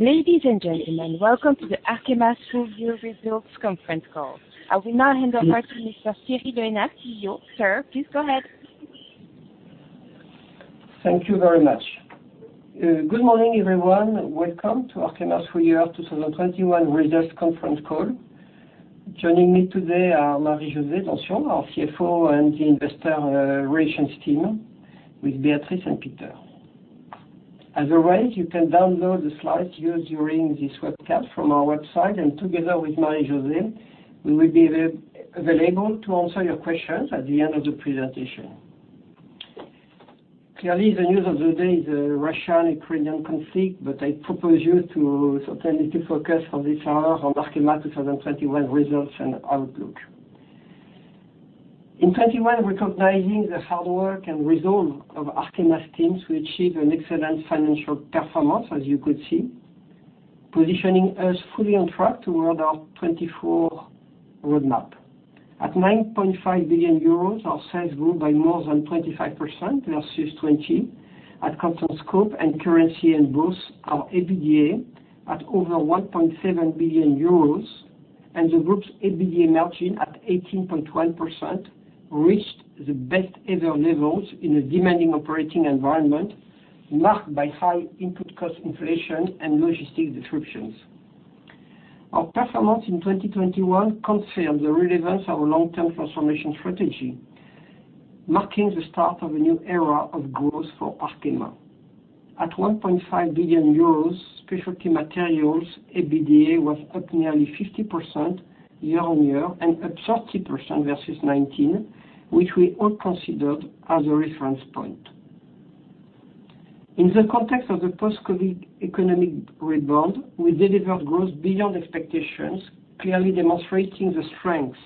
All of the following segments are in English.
Ladies and gentlemen, welcome to Arkema's full- year results conference call. I will now hand over to Mr. Thierry Le Hénaff, CEO. Sir, please go ahead. Thank you very much. Good morning, everyone. Welcome to Arkema's full- year 2021 results conference call. Joining me today are Marie-José Donsion, our CFO, and the investor relations team with Beatrice and Peter. As always, you can download the slides used during this webcast from our website, and together with Marie-José, we will be available to answer your questions at the end of the presentation. Clearly, the news of the day is the Russian-Ukrainian conflict, but I propose you to certainly focus for this hour on Arkema 2021 results and outlook. In twenty-one, recognizing the hard work and resolve of Arkema's teams, we achieved an excellent financial performance, as you could see, positioning us fully on track toward our 2024 roadmap. At 9.5 billion euros, our sales grew by more than 25% versus 2020. At constant scope and currency, both our EBITDA at over 1.7 billion euros and the group's EBITDA margin at 18.1% reached the best ever levels in a demanding operating environment marked by high input cost inflation and logistic disruptions. Our performance in 2021 confirmed the relevance of our long-term transformation strategy, marking the start of a new era of growth for Arkema. At 1.5 billion euros, Specialty Materials EBITDA was up nearly 50% year-on-year and up 30% versus 2019, which we all considered as a reference point. In the context of the post-COVID economic rebound, we delivered growth beyond expectations, clearly demonstrating the strengths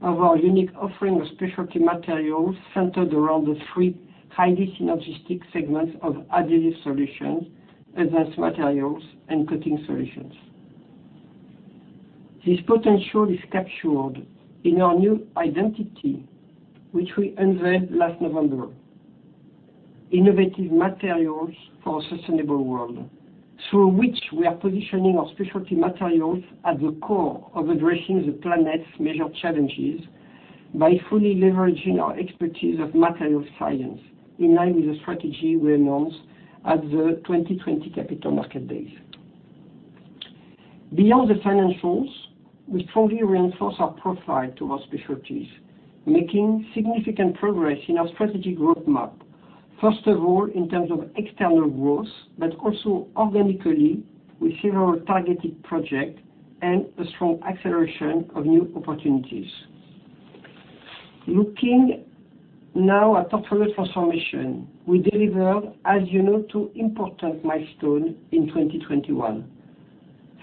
of our unique offering of Specialty Materials centered around the three highly synergistic segments of Adhesive Solutions, Advanced Materials, and Coating Solutions. This potential is captured in our new identity, which we unveiled last November. Innovative materials for a sustainable world through which we are positioning our Specialty Materials at the core of addressing the planet's major challenges by fully leveraging our expertise of material science in line with the strategy we announced at the 2020 Capital Markets Day. Beyond the financials, we strongly reinforce our profile towards specialties, making significant progress in our strategic roadmap, first of all, in terms of external growth, but also organically with several targeted projects and a strong acceleration of new opportunities. Looking now at portfolio transformation, we delivered, as you know, two important milestones in 2021,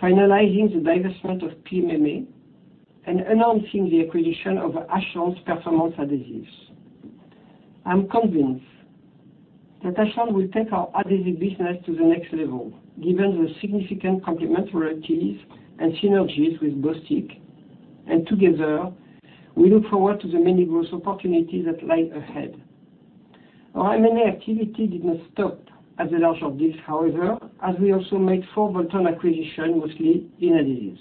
finalizing the divestment of PMMA and announcing the acquisition of Ashland's Performance Adhesives. I'm convinced that Ashland will take our adhesive business to the next level given the significant complementarities and synergies with Bostik. Together, we look forward to the many growth opportunities that lie ahead. Our M&A activity did not stop at the launch of this, however, as we also made four bolt-on acquisition, mostly in adhesives.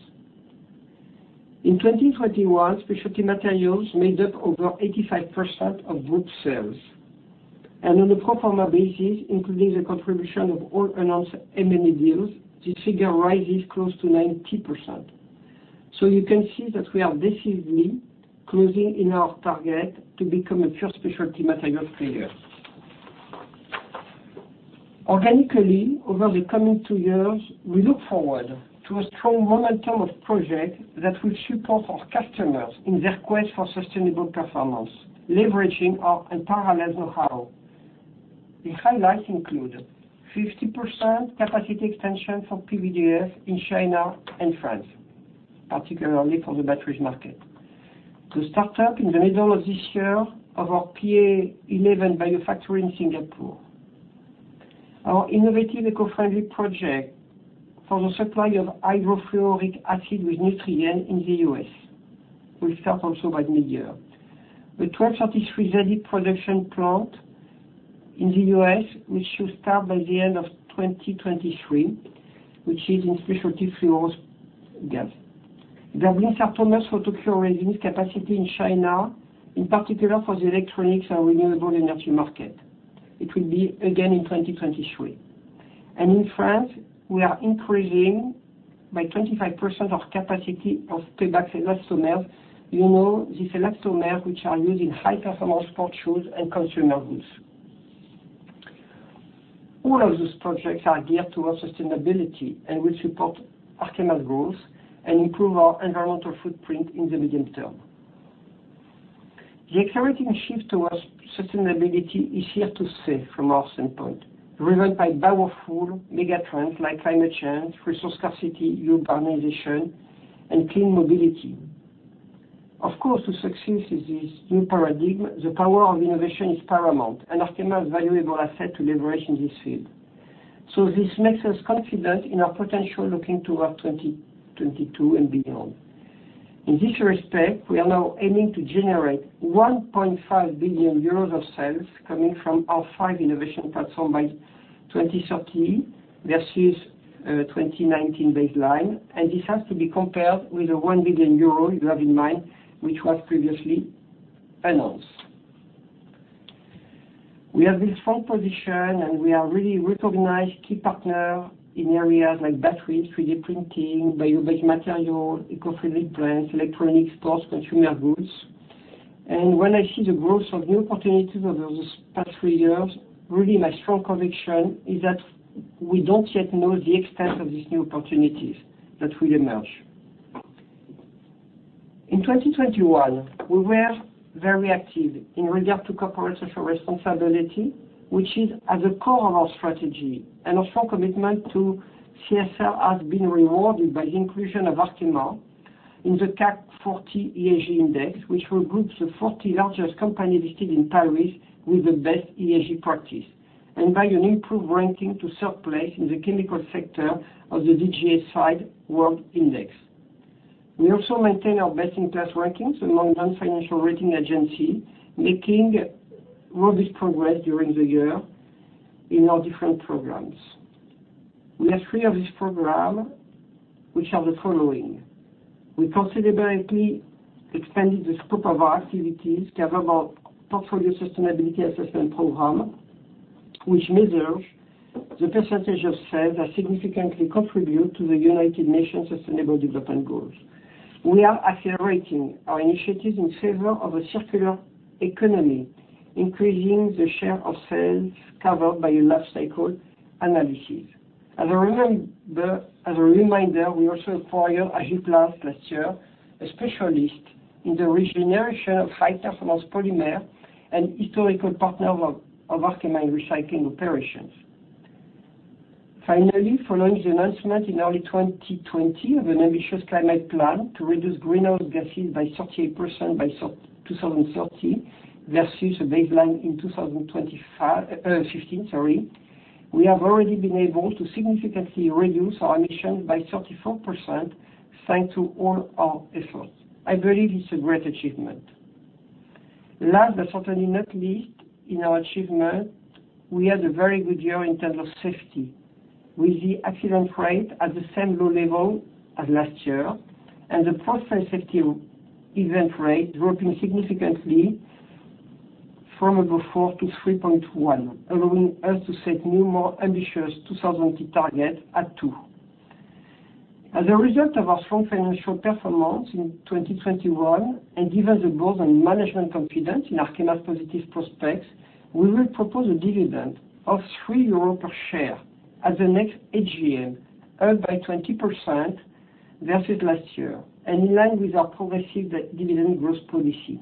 In 2021, Specialty Materials made up over 85% of group sales. On a pro forma basis, including the contribution of all announced M&A deals, this figure rises close to 90%. You can see that we are decisively closing in our target to become a pure Specialty Materials player. Organically, over the coming two years, we look forward to a strong momentum of project that will support our customers in their quest for sustainable performance, leveraging our unparalleled know-how. The highlights include 50% capacity expansion for PVDF in China and France, particularly for the batteries market. To start up in the middle of this year of our PA11 biofactory in Singapore. Our innovative eco-friendly project for the supply of hydrofluoric acid with Nutrien in the U.S. will start also by mid-year. The 1233zd production plant in the U.S., which should start by the end of 2023, which is in specialty fluorogases. Doubling Sartomer's photocure resins capacity in China, in particular for the electronics and renewable energy market. It will be again in 2023. In France, we are increasing by 25% our capacity of Pebax elastomers. You know, these elastomers which are used in high-performance sports shoes and consumer goods. All of those projects are geared towards sustainability and will support Arkema's growth and improve our environmental footprint in the medium term. The accelerating shift towards sustainability is here to stay from our standpoint, driven by powerful mega trends like climate change, resource scarcity, urbanization, and clean mobility. Of course, to succeed in this new paradigm, the power of innovation is paramount and Arkema's valuable asset to leverage in this field. This makes us confident in our potential looking toward 2022 and beyond. In this respect, we are now aiming to generate 1.5 billion euros of sales coming from our 5 innovation platform by 2030 versus 2019 baseline. This has to be compared with the 1 billion euro you have in mind, which was previously announced. We have a strong position, and we are really recognized key partner in areas like batteries, 3D printing, bio-based materials, eco-friendly paints, electronics, sports, consumer goods. When I see the growth of new opportunities over those past three years, really my strong conviction is that we don't yet know the extent of these new opportunities that will emerge. In 2021, we were very active in regard to corporate social responsibility, which is at the core of our strategy. Our strong commitment to CSR has been rewarded by the inclusion of Arkema in the CAC 40 ESG Index, which will group the 40 largest companies listed in Paris with the best ESG practices, and by an improved ranking to third place in the chemical sector of the DJSI World Index. We also maintain our best-in-class rankings among non-financial rating agencies, making robust progress during the year in our different programs. We have three of these programs, which are the following. We considerably expanded the scope of our activities covering our portfolio sustainability assessment program, which measures the percentage of sales that significantly contribute to the United Nations Sustainable Development Goals. We are accelerating our initiatives in favor of a circular economy, increasing the share of sales covered by a life cycle analysis. As a reminder, we also acquired Agiplast last year, a specialist in the regeneration of high-performance polymer and historical partner of Arkema recycling operations. Finally, following the announcement in early 2020 of an ambitious climate plan to reduce greenhouse gases by 30% by 2030 versus a baseline in 2015, we have already been able to significantly reduce our emission by 34%, thanks to all our efforts. I believe it's a great achievement. Last, but certainly not least in our achievement, we had a very good year in terms of safety, with the accident rate at the same low level as last year and the process safety event rate dropping significantly from above 4 to 3.1, allowing us to set new, more ambitious 2050 target at two. As a result of our strong financial performance in 2021 and given the Board and Management confidence in Arkema's positive prospects, we will propose a dividend of 3 euro per share at the next AGM, up 20% versus last year and in line with our progressive dividend growth policy.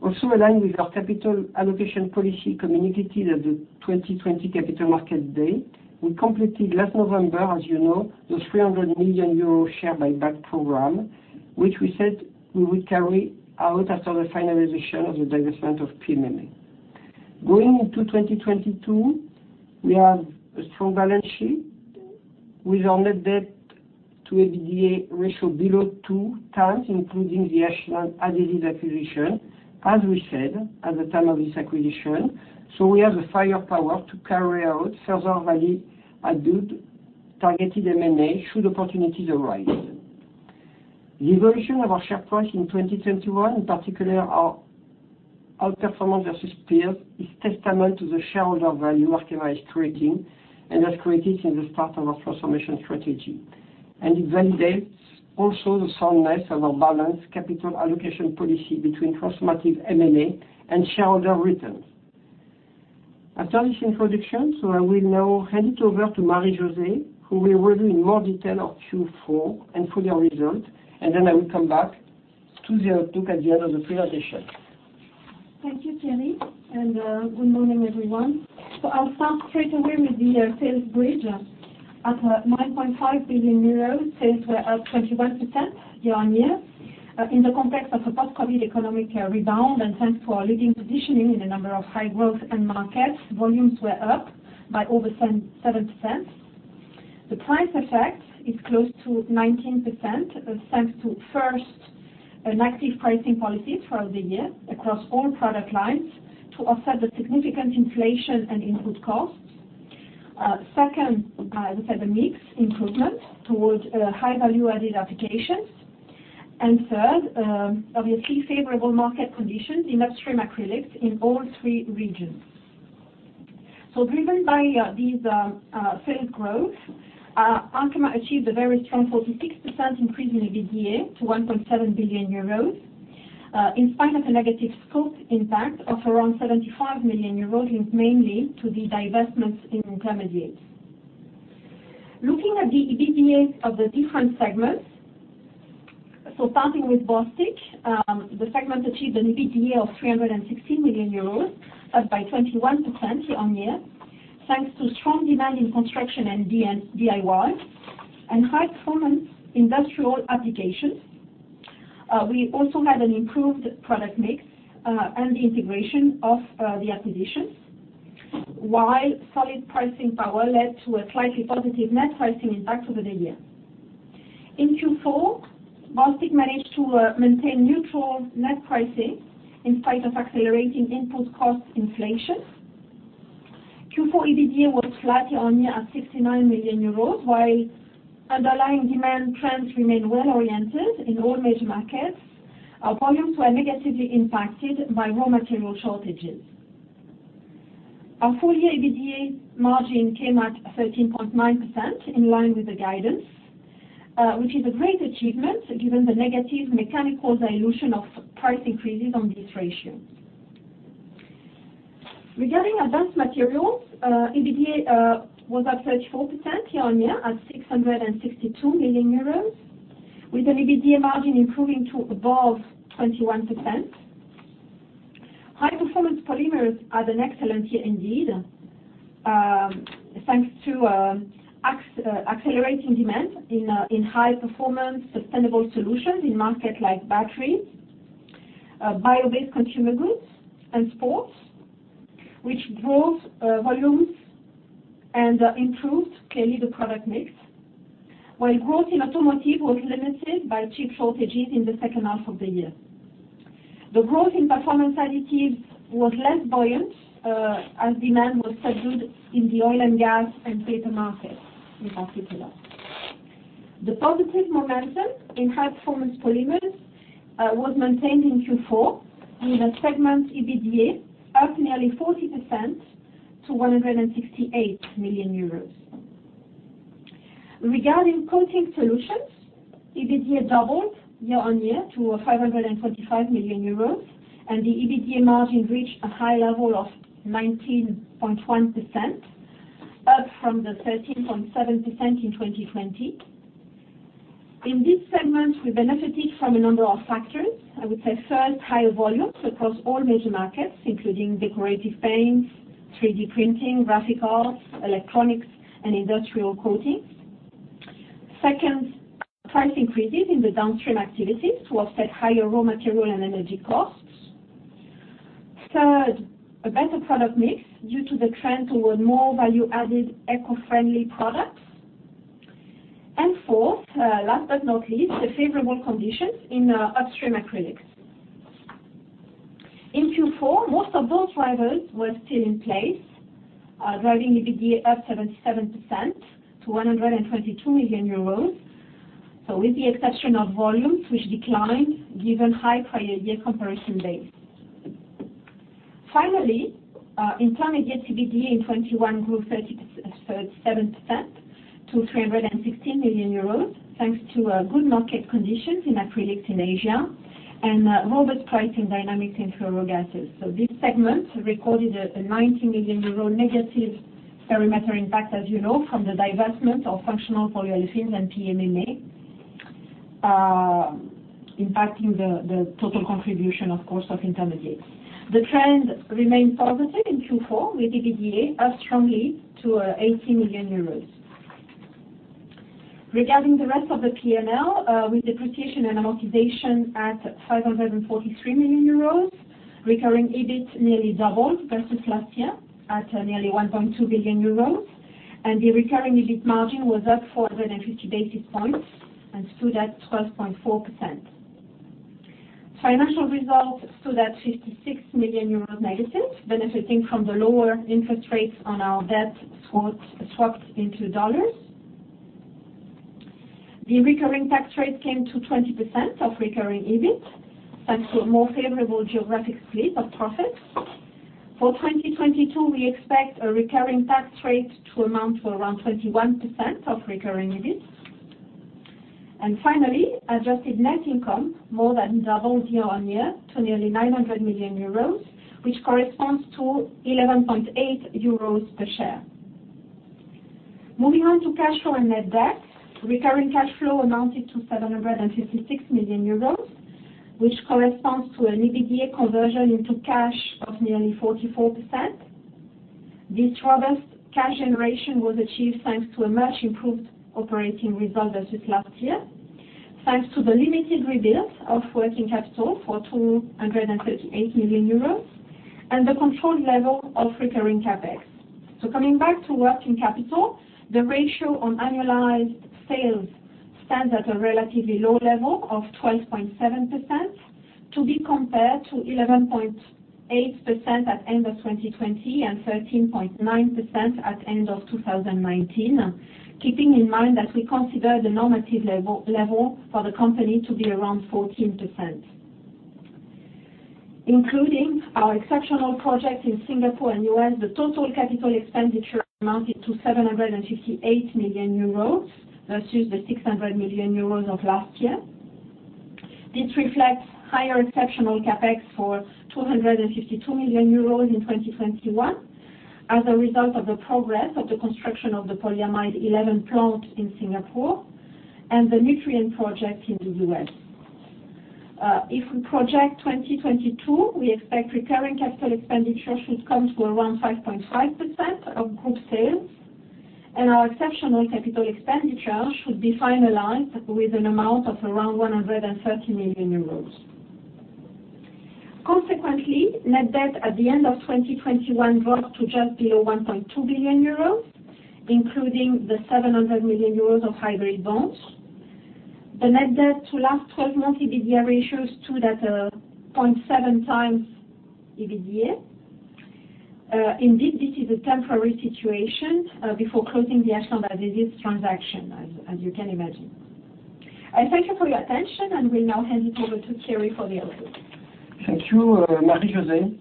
Also aligned with our capital allocation policy communicated at the 2020 Capital Markets Day, we completed last November, as you know, the 300 million euro share buyback program, which we said we would carry out after the finalization of the divestment of PMMA. Going into 2022, we have a strong balance sheet with our net debt to EBITDA ratio below two times, including the Ashland Adhesives acquisition, as we said at the time of this acquisition. We have the firepower to carry out further value-added targeted M&A should opportunities arise. The evolution of our share price in 2021, in particular our performance versus peers, is testament to the shareholder value Arkema is creating and has created since the start of our transformation strategy. It validates also the soundness of our balanced capital allocation policy between transformative M&A and shareholder returns. After this introduction, I will now hand it over to Marie-José, who will review in more detail our Q4 and full-year results, and then I will come back to the outlook at the end of the presentation. Thank you, Thierry, and good morning, everyone. I'll start straight away with the sales bridge. At 9.5 billion euros, sales were up 21% year-on-year. In the context of a post-COVID economic rebound and thanks to our leading positioning in a number of high-growth end markets, volumes were up by over 7%. The price effect is close to 19%, thanks to, first, an active pricing policy throughout the year across all product lines to offset the significant inflation and input costs. Second, as I said, the mix improvement towards high-value added applications. Third, obviously, favorable market conditions in upstream acrylics in all three regions. Driven by this sales growth, Arkema achieved a very strong 46% increase in EBITDA to 1.7 billion euros in spite of a negative scope impact of around 75 million euros, linked mainly to the divestments in intermediates. Looking at the EBITDA of the different segments. Starting with Bostik, the segment achieved an EBITDA of 316 million euros, up by 21% year-on-year, thanks to strong demand in construction and DIY and high performance industrial applications. We also had an improved product mix and the integration of the acquisitions. While solid pricing power led to a slightly positive net pricing impact over the year. In Q4, Bostik managed to maintain neutral net pricing in spite of accelerating input cost inflation. Q4 EBITDA was slightly down year-on-year at 69 million euros, while underlying demand trends remained well-oriented in all major markets. Our volumes were negatively impacted by raw material shortages. Our full- year EBITDA margin came at 13.9%, in line with the guidance, which is a great achievement given the negative mechanical dilution of price increases on this ratio. Regarding Advanced Materials, EBITDA was up 34% year-on-year at 662 million euros, with an EBITDA margin improving to above 21%. High Performance Polymers had an excellent year indeed, thanks to accelerating demand in high performance sustainable solutions in markets like batteries, bio-based consumer goods and sports, which drove volumes and improved clearly the product mix. While growth in automotive was limited by chip shortages in the second half of the year. The growth in performance additives was less buoyant, as demand was subdued in the oil and gas and data market, in particular. The positive momentum in High Performance Polymers was maintained in Q4, with the segment EBITDA up nearly 40% to 168 million euros. Regarding Coating Solutions, EBITDA doubled year-on-year to 525 million euros, and the EBITDA margin reached a high level of 19.1%, up from the 13.7% in 2020. In this segment, we benefited from a number of factors. I would say, first, higher volumes across all major markets, including decorative paints, 3D printing, graphics, electronics, and industrial coatings. Second, price increases in the downstream activities to offset higher raw material and energy costs. Third, a better product mix due to the trend toward more value-added eco-friendly products. Fourth, last but not least, the favorable conditions in our upstream acrylics. In Q4, most of those drivers were still in place, driving EBITDA up 77% to 122 million euros. With the exception of volumes, which declined given high prior-year comparison base. Finally, Intermediates EBITDA in 2021 grew 37% to 360 million euros, thanks to good market conditions in acrylics in Asia and robust pricing dynamics in fluorogases. This segment recorded a 90 million euro negative perimeter impact, as you know, from the divestment of functional polyolefins and PMMA, impacting the total contribution, of course, of Intermediates. The trend remained positive in Q4, with EBITDA up strongly to 80 million euros. Regarding the rest of the P&L, with depreciation and amortization at 543 million euros, recurring EBIT nearly doubled versus last year at nearly 1.2 billion euros, and the recurring EBIT margin was up 450 basis points and stood at 12.4%. Financial results stood at -56 million euros, benefiting from the lower interest rates on our debt swapped into dollars. The recurring tax rate came to 20% of recurring EBIT, thanks to a more favorable geographic split of profits. For 2022, we expect a recurring tax rate to amount to around 21% of recurring EBIT. Finally, adjusted net income more than doubled year-on-year to nearly 900 million euros, which corresponds to 11.8 euros per share. Moving on to cash flow and net debt. Recurring cash flow amounted to 756 million euros, which corresponds to an EBITDA conversion into cash of nearly 44%. This robust cash generation was achieved thanks to a much improved operating result versus last year, thanks to the limited rebuild of working capital for 238 million euros and the controlled level of recurring CapEx. Coming back to working capital, the ratio on annualized sales stands at a relatively low level of 12.7% to be compared to 11.8% at end of 2020 and 13.9% at end of 2019. Keeping in mind that we consider the normative level for the company to be around 14%. Including our exceptional project in Singapore and the U.S., the total capital expenditure amounted to 758 million euros versus the 600 million euros of last year. This reflects higher exceptional CapEx for 252 million euros in 2021 as a result of the progress of the construction of the polyamide 11 plant in Singapore and the Nutrien project in the U.S. If we project 2022, we expect recurring capital expenditure should come to around 5.5% of group sales, and our exceptional capital expenditure should be finalized with an amount of around 130 million euros. Consequently, net debt at the end of 2021 dropped to just below 1.2 billion euros, including the 700 million euros of hybrid bonds. The net debt to last twelve months EBITDA ratio stood at 0.7x EBITDA. Indeed, this is a temporary situation before closing the acquisition, that is, transaction, as you can imagine. I thank you for your attention, and we now hand it over to Thierry for the outlook. Thank you, Marie-José.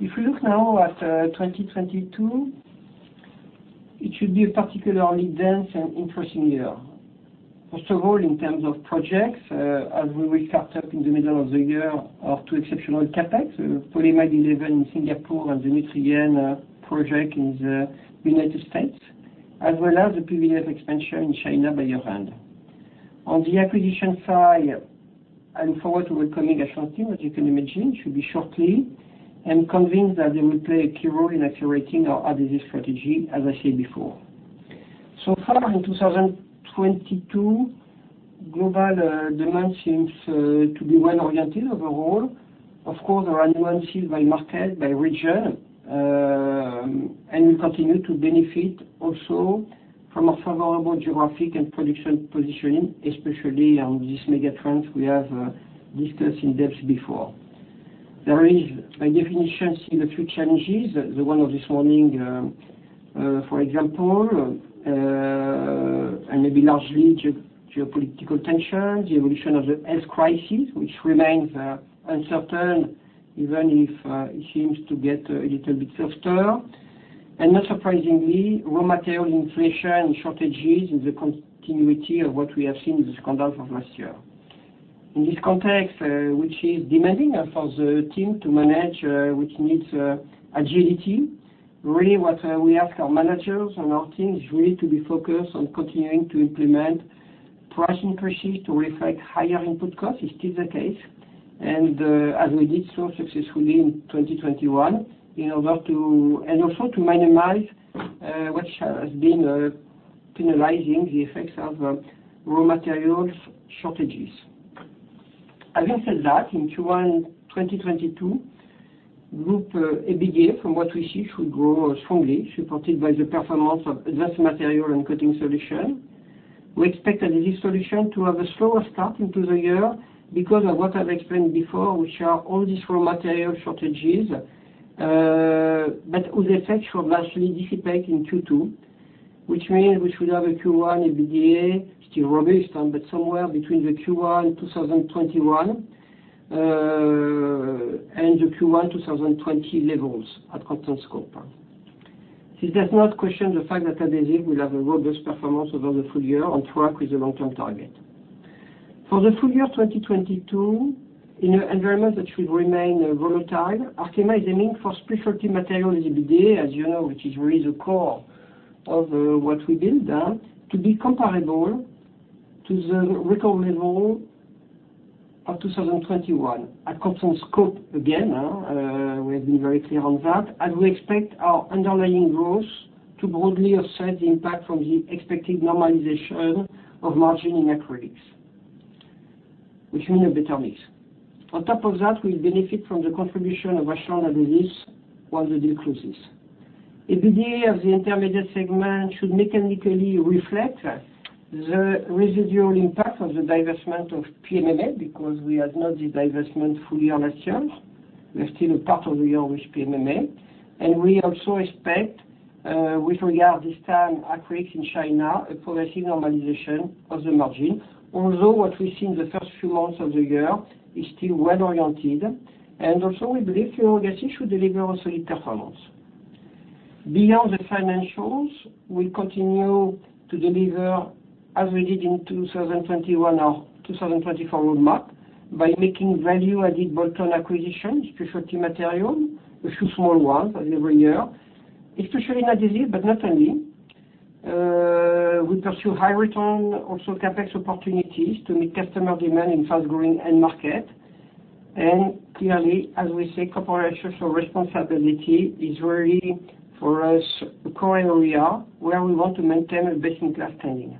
If you look now at 2022, it should be a particularly dense and interesting year. First of all, in terms of projects, as we will start up in the middle of the year two exceptional CapEx, so polyamide 11 in Singapore and the Nutrien project in the United States, as well as the PVDF expansion in China by year-end. On the acquisition side, I look forward to welcoming Ashland, as you can imagine, which should be shortly, and convinced that they will play a key role in accelerating our adhesive strategy, as I said before. So far in 2022, global demand seems to be well-oriented overall. Of course, there are nuances by market, by region, and we continue to benefit also from a favorable geographic and production positioning, especially on this mega trend we have discussed in depth before. There is, by definition, still a few challenges. The one of this morning, for example, and maybe largely geopolitical tensions, the evolution of the health crisis, which remains uncertain, even if it seems to get a little bit softer. Not surprisingly, raw material inflation and shortages is a continuity of what we have seen in the second half of last year. In this context, which is demanding for the team to manage, which needs agility, really what we ask our managers and our team is really to be focused on continuing to implement price increases to reflect higher input costs is still the case. As we did so successfully in 2021, in order to and also to minimize what has been penalizing the effects of raw materials shortages. Having said that, in Q1 2022, group EBITDA, from what we see, should grow strongly, supported by the performance of Advanced Materials and Coating Solutions. We expect Adhesive Solutions to have a slower start into the year because of what I've explained before, which are all these raw material shortages. But whose effects should largely dissipate in Q2, which means we should have a Q1 EBITDA, still robust, but somewhere between the Q1 2021 and the Q1 2020 levels at constant scope. This does not question the fact that Adhesive will have a robust performance over the full year on track with the long-term target. For the full- year 2022, in an environment that should remain volatile, Arkema is aiming for Specialty Materials EBITDA, as you know, which is really the core of what we build, to be comparable to the record level of 2021 at constant scope. Again, we have been very clear on that, and we expect our underlying growth to broadly offset the impact from the expected normalization of margin in acrylics, which mean a better mix. On top of that, we'll benefit from the contribution of Ashland Adhesives while the deal closes. EBITDA of the intermediate segment should mechanically reflect the residual impact of the divestment of PMMA because we did not have the divestment full year last year. We are still a part of the year with PMMA. We also expect, with regard this time, acrylics in China, a progressive normalization of the margin. Although what we see in the first few months of the year is still well-oriented. We also believe fluorogases should deliver also a good performance. Beyond the financials, we continue to deliver, as we did in 2021, our 2024 roadmap by making value-added bolt-on acquisitions, specialty material, a few small ones every year, especially in adhesive, but not only. We pursue high return, also CapEx opportunities to meet customer demand in fast-growing end market. Clearly, as we say, corporate social responsibility is really for us a core area where we want to maintain a best-in-class standing.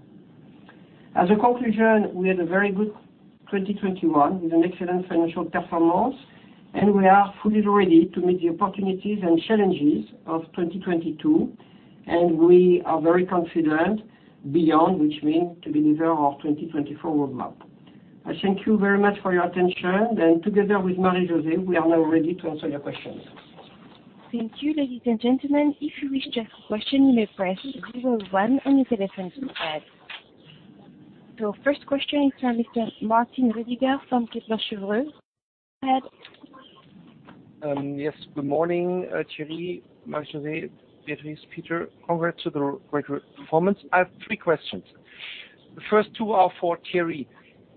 As a conclusion, we had a very good 2021 with an excellent financial performance, and we are fully ready to meet the opportunities and challenges of 2022. We are very confident we will deliver our 2024 roadmap. I thank you very much for your attention, and together with Marie-José, we are now ready to answer your questions. Thank you, ladies and gentlemen. If you wish to ask a question, you may press zero one on your telephones to add. First question is from Mr. Martin Roediger from Kepler Cheuvreux. Go ahead. Yes. Good morning, Thierry, Marie-José, Beatrice, Peter. Congrats to the great performance. I have three questions. The first two are for Thierry.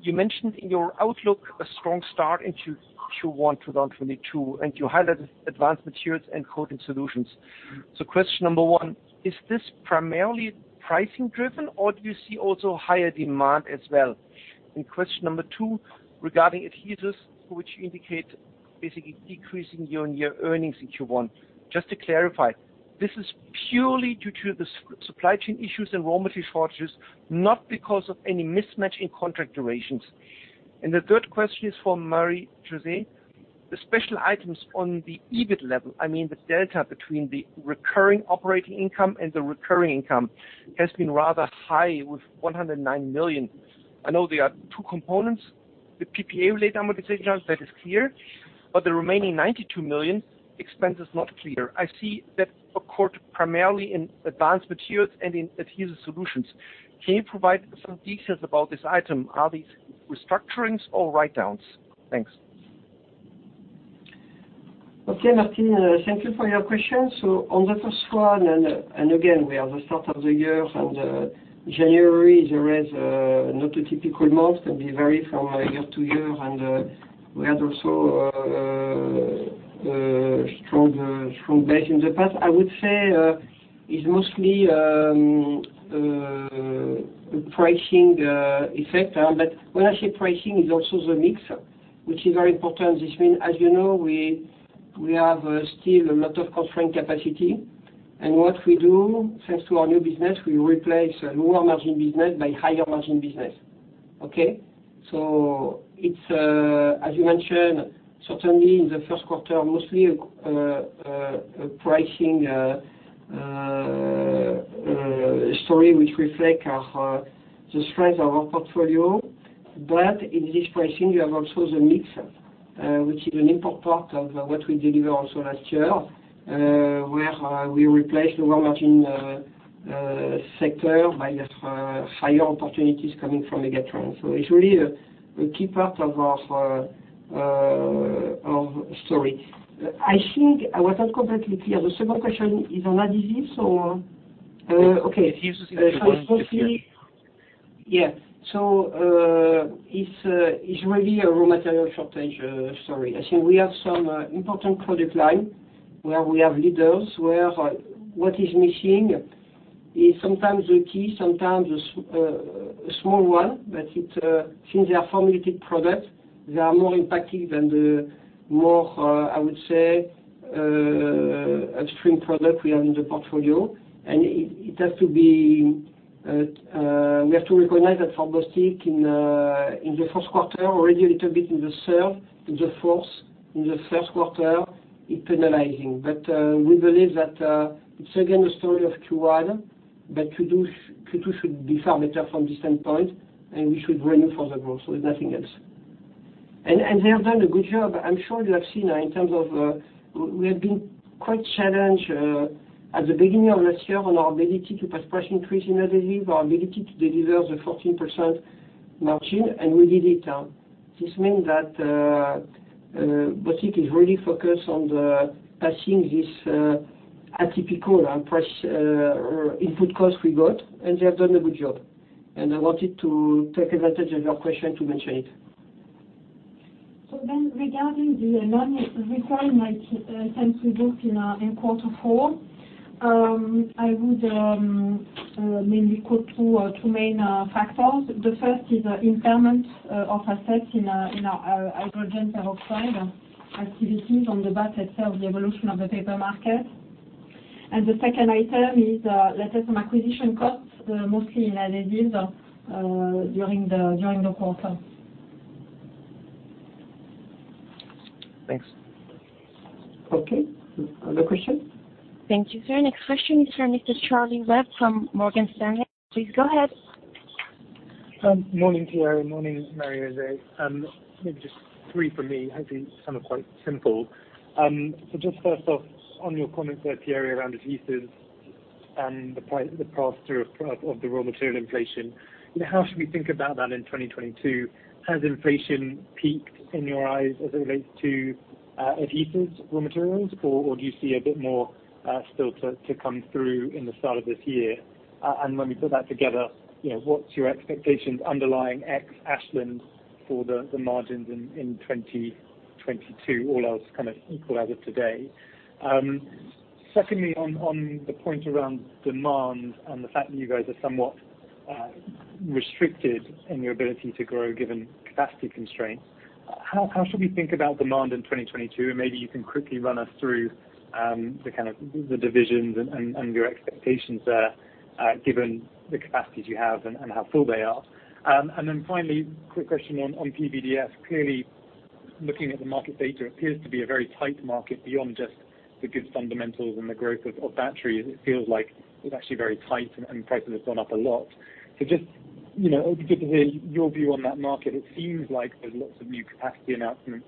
You mentioned in your outlook a strong start in Q1 2022, and you highlighted Advanced Materials and Coating Solutions. Question number one, is this primarily pricing-driven, or do you see also higher demand as well? Question number two, regarding adhesives, which you indicate basically decreasing year-on-year earnings in Q1. Just to clarify, this is purely due to the supply chain issues and raw material shortages, not because of any mismatch in contract durations. The third question is for Marie-José. The special items on the EBIT level, I mean, the delta between the recurring operating income and the recurring income has been rather high with 109 million. I know there are two components, the PPA related amortization, that is clear, but the remaining 92 million expense is not clear. I see that occurred primarily in Advanced Materials and in Adhesive Solutions. Can you provide some details about this item? Are these restructurings or write-downs? Thanks. Okay, Martin. Thank you for your question. On the first one, again, we are at the start of the year and January is always not a typical month. It can be varied from year to year. We had also a strong base in the past. I would say, it's mostly pricing effect. But when I say pricing, it's also the mix, which is very important. This means, as you know, we have still a lot of constrained capacity. What we do, thanks to our new business, we replace lower margin business by higher margin business. Okay. It's as you mentioned, certainly in the first quarter, mostly a pricing story which reflect the strength of our portfolio. In this pricing, you have also the mix, which is an important part of what we deliver also last year, where we replaced lower margin sector by the higher opportunities coming from Megatrend. It's really a key part of our story. I think I was not completely clear. The second question is on adhesives or okay. Adhesives is the one, yes. It's really a raw material shortage story. I think we have some important product line where we have leaders, where what is missing is sometimes a key, sometimes a small one. Since they are formulated products, they are more impacted than the more extreme product we have in the portfolio, I would say. We have to recognize that for Bostik in the first quarter, already a little bit in the third, in the fourth, in the first quarter, it's penalizing. We believe that it's again a story of Q1, but Q2 should be far better from this standpoint, and we should renew for the growth with nothing else. They have done a good job. I'm sure you have seen in terms of, we have been quite challenged at the beginning of last year on our ability to pass price increases in adhesives, our ability to deliver the 14% margin, and we did it. This means that Bostik is really focused on passing on this atypical and pressing input cost we got, and they have done a good job. I wanted to take advantage of your question to mention it. Regarding the non-recurring, since we booked in quarter four, I would mainly quote two main factors. The first is impairment of assets in our hydrogen peroxide activities on the back of the evolution of the paper market. The second item is related to acquisition costs, mostly in adhesives, during the quarter. Thanks. Okay. Other question? Thank you. Next question is from Mr. Charlie Webb from Morgan Stanley. Please go ahead. Morning, Thierry. Morning, Marie-José. Maybe just three from me. Hopefully, some are quite simple. So just first off, on your comments there, Thierry, around adhesives and the pass-through of the raw material inflation, you know, how should we think about that in 2022? Has inflation peaked in your eyes as it relates to adhesives raw materials, or do you see a bit more still to come through in the start of this year? And when we put that together, you know, what's your expectations underlying ex Ashland for the margins in 2022, all else kind of equal as of today? Secondly, on the point around demand and the fact that you guys are somewhat restricted in your ability to grow given capacity constraints, how should we think about demand in 2022? Maybe you can quickly run us through the divisions and your expectations there, given the capacities you have and how full they are. Then finally, quick question on PVDF. Clearly, looking at the market data, it appears to be a very tight market beyond just the good fundamentals and the growth of batteries. It feels like it's actually very tight and prices have gone up a lot. Just, you know, it'll be good to hear your view on that market. It seems like there's lots of new capacity announcements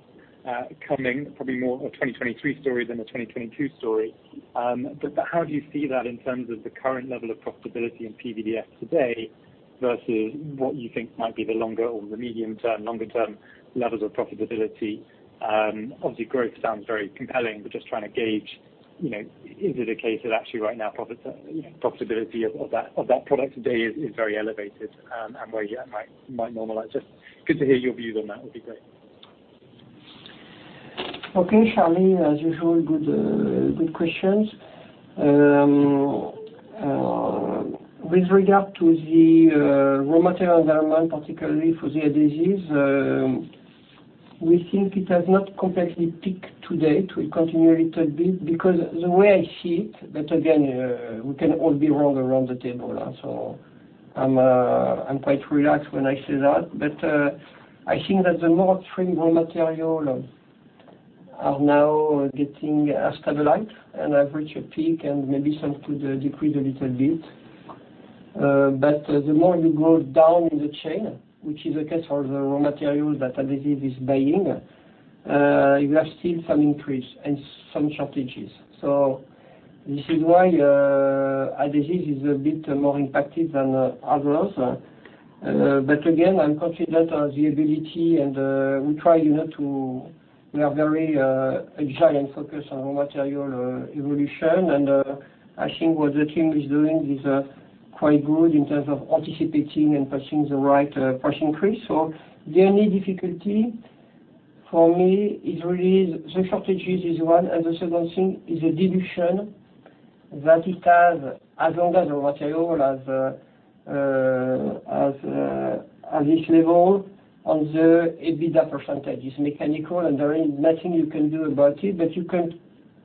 coming, probably more a 2023 story than a 2022 story. How do you see that in terms of the current level of profitability in PVDF today versus what you think might be the longer or the medium term, longer term levels of profitability? Obviously, growth sounds very compelling, but just trying to gauge, you know, is it a case that actually right now, you know, profitability of that product today is very elevated, and where it might normalize? It would just be good to hear your views on that. That would be great. Okay, Charlie. As usual, good questions. With regard to the raw material environment, particularly for the adhesives, we think it has not completely peaked to date. We continue a little bit because the way I see it, but again, we can all be wrong around the table. I'm quite relaxed when I say that. I think that the more extreme raw material are now getting stabilized and have reached a peak, and maybe some could decrease a little bit. The more you go down in the chain, which is the case for the raw material that Adhesive is buying, you have still some increase and some shortages. This is why Adhesive is a bit more impacted than others. Again, I'm confident of the ability and we try, you know, we are very agile and focused on raw material evolution. I think what the team is doing is quite good in terms of anticipating and pushing the right price increase. The only difficulty for me is really the shortages is one, and the second thing is a dilution that it has as long as the raw material has at this level on the EBITDA percentage. It's mechanical, and there is nothing you can do about it, but you can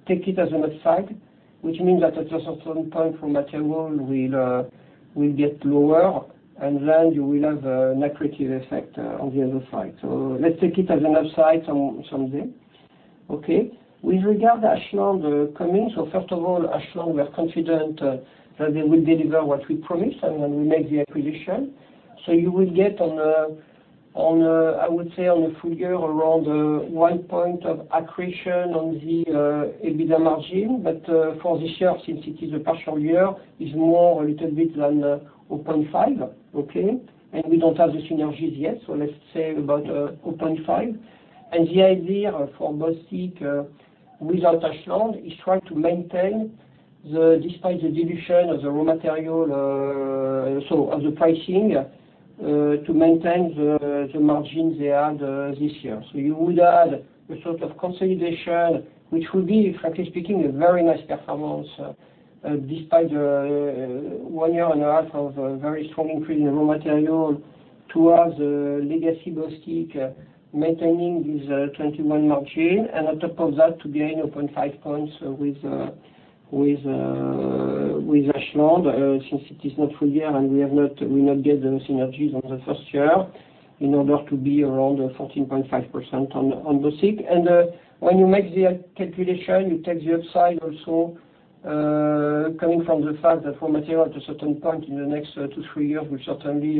take it as an upside, which means that at a certain point, raw material will get lower, and then you will have an accretive effect on the other side. Let's take it as an upside someday. Okay. With regard to Ashland coming, first of all, Ashland, we are confident that they will deliver what we promised when we make the acquisition. You will get on a full -year around 1% accretion on the EBITDA margin. For this year, since it is a partial year, is more a little bit than 0.5%. Okay. We don't have the synergies yet. Let's say about 0.5%. The idea for Bostik without Ashland is try to maintain despite the dilution of the raw material, so of the pricing, to maintain the margin they had this year. You would add a sort of consolidation, which will be, frankly speaking, a very nice performance, despite one year and a half of a very strong increase in raw material towards legacy Bostik maintaining this 21% margin. On top of that, to gain 0.5 points with Ashland, since it is not a full- year and we do not get the synergies on the first year in order to be around 14.5% for Bostik. When you make the calculation, you take the upside also coming from the fact that raw material at a certain point in the next two to three years will certainly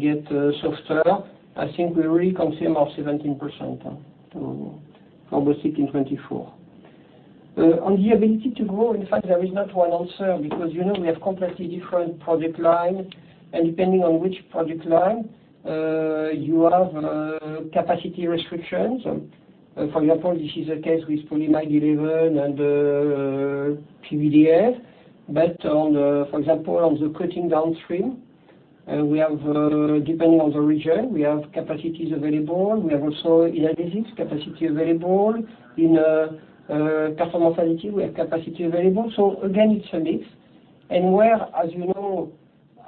get softer. I think we really come in at 17% for Bostik in 2024. On the ability to grow, in fact, there is not one answer because, you know, we have completely different product line. Depending on which product line, you have capacity restrictions. For example, this is the case with polyamide 11 and PVDF. For example, on the Coating Solutions, depending on the region, we have capacities available. We have also in Adhesive Solutions capacity available. In Performance Additives, we have capacity available. Again, it's a mix. As you know,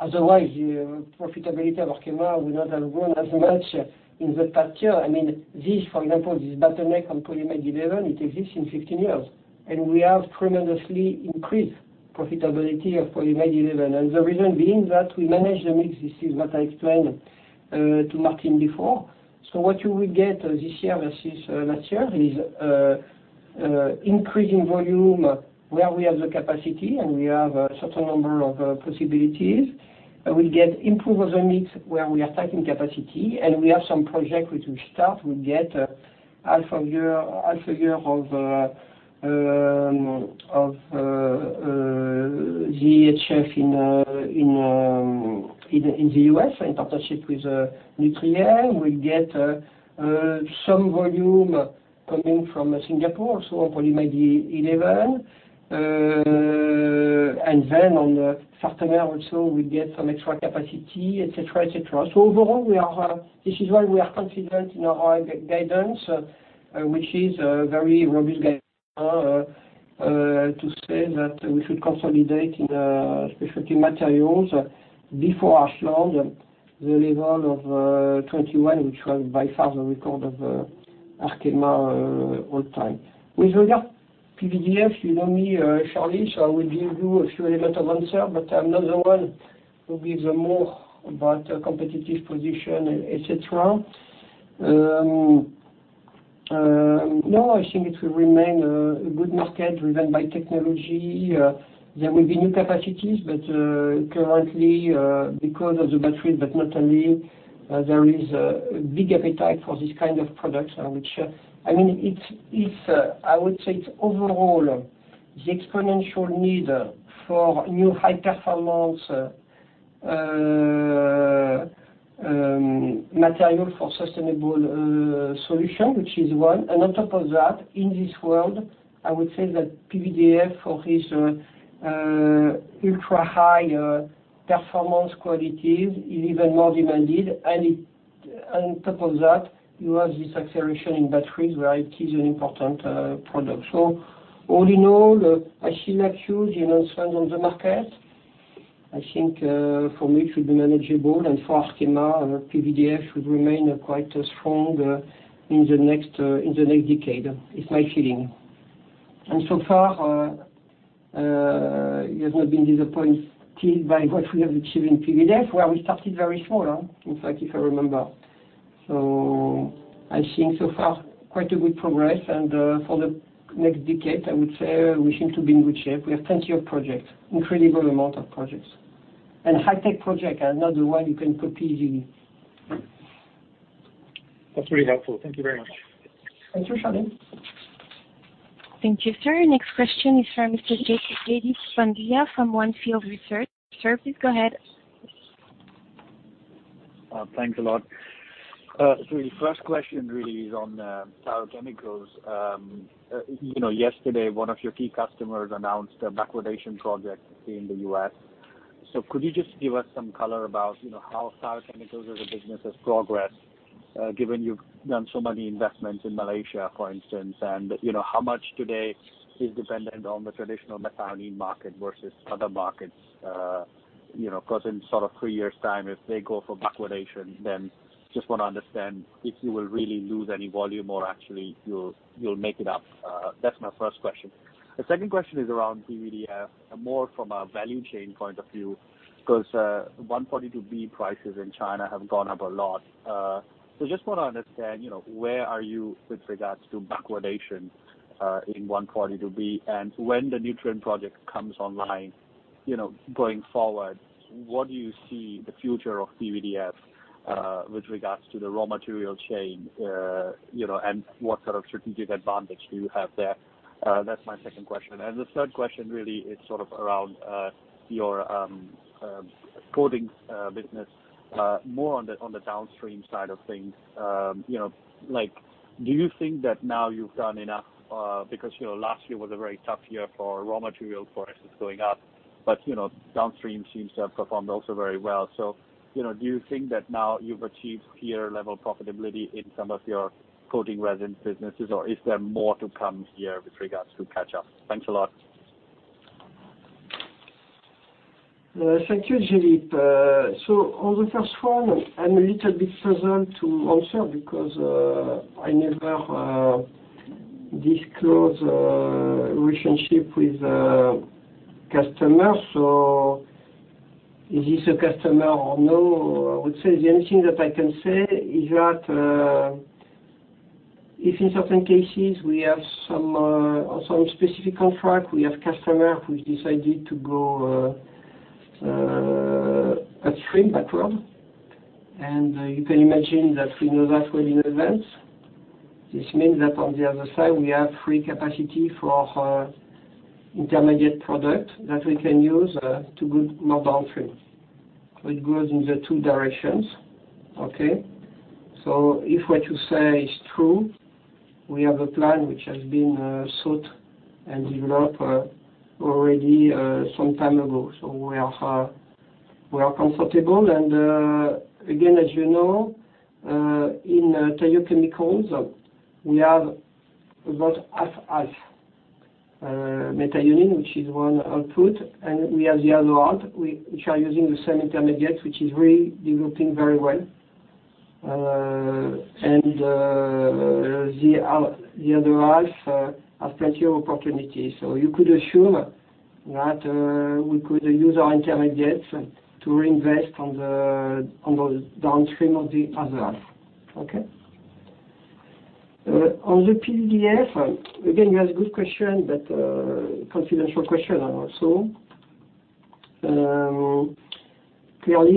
otherwise the profitability of Arkema would not have grown as much in the past year. I mean, for example, this bottleneck on polyamide 11, it exists for 15 years, and we have tremendously increased profitability of polyamide 11. The reason being that we manage the mix. This is what I explained to Martin before. What you will get this year versus last year is an increase in volume where we have the capacity and we have a certain number of possibilities. We get improvement on mix where we are stacking capacity and we have some project which will start. We'll get half a year of the HF in the U.S. in partnership with Nutrien. We'll get some volume coming from Singapore also on polyamide 11. And then on the Sartomer also we get some extra capacity, et cetera. Overall, we are confident in our guidance, which is a very robust guidance to say that we should consolidate in Specialty Materials before Ashland the level of 2021, which was by far the record of Arkema all time. With regard to PVDF, you know me, Charlie, so I will give you a few elements of answer, but I'm not the one who gives more about competitive position, et cetera. No, I think it will remain a good market driven by technology. There will be new capacities, but currently, because of the batteries, but not only, there is a big appetite for this kind of products, which I mean, it's overall the exponential need for new high-performance material for sustainable solution, which is one. On top of that, in this world, I would say that PVDF for its ultra-high performance qualities is even more demanded. On top of that, you have this acceleration in batteries where it is an important product. All in all, I see no huge imbalance on the market. I think for me it should be manageable and for Arkema, PVDF should remain quite strong in the next decade. It's my feeling. So far, it has not been disappointed by what we have achieved in PVDF, where we started very small, in fact, if I remember. I think so far quite a good progress. For the next decade, I would say we seem to be in good shape. We have plenty of projects, incredible amount of projects. High tech projects are not the one you can copy. That's really helpful. Thank you very much. Thank you, Charlie. Thank you, sir. Next question is from Mr........................ From One Field Research. Sir, please go ahead. Thanks a lot. The first question really is on Thiochemicals. You know, yesterday, one of your key customers announced a backward integration project in the U.S. Could you just give us some color about, you know, how Thiochemicals as a business has progressed, given you've done so many investments in Malaysia, for instance, and you know, how much today is dependent on the traditional methyl mercaptan market versus other markets? You know, because in sort of three years time, if they go for backward integration, then I just want to understand if you will really lose any volume or actually you'll make it up. That's my first question. The second question is around PVDF, more from a value chain point of view, because 142b prices in China have gone up a lot. Just want to understand, you know, where are you with regards to backwardation in 142b, and when the Nutrien project comes online, you know, going forward, what do you see the future of PVDF with regards to the raw material chain? You know, and what sort of strategic advantage do you have there? That's my second question. The third question really is sort of around your coating business more on the downstream side of things. You know, like do you think that now you've done enough? Because, you know, last year was a very tough year for raw materials prices going up, but you know, downstream seems to have performed also very well. you know, do you think that now you've achieved peer level profitability in some of your coating resin businesses or is there more to come here with regards to catch up? Thanks a lot. Thank you, Jeet. On the first one, I'm a little bit hesitant to answer because I never disclose relationship with a customer. Is this a customer or no? I would say the only thing that I can say is that if in certain cases we have some specific contract, we have customer who decided to go upstream backward. You can imagine that we know that well in advance. This means that on the other side we have free capacity for our intermediate product that we can use to go more downstream. It goes in the two directions. Okay? If what you say is true, we have a plan which has been sorted and developed already some time ago. We are comfortable. Again, as you know, in Thiochemicals, we have about half methionine unit, which is one output, and we have the other half, which are using the same intermediate, which is really developing very well. The other half have plenty of opportunities. You could assure that we could use our intermediates to reinvest on those downstream of the other half. Okay? On the PVDF, again, you asked a good question, but confidential question also. Clearly,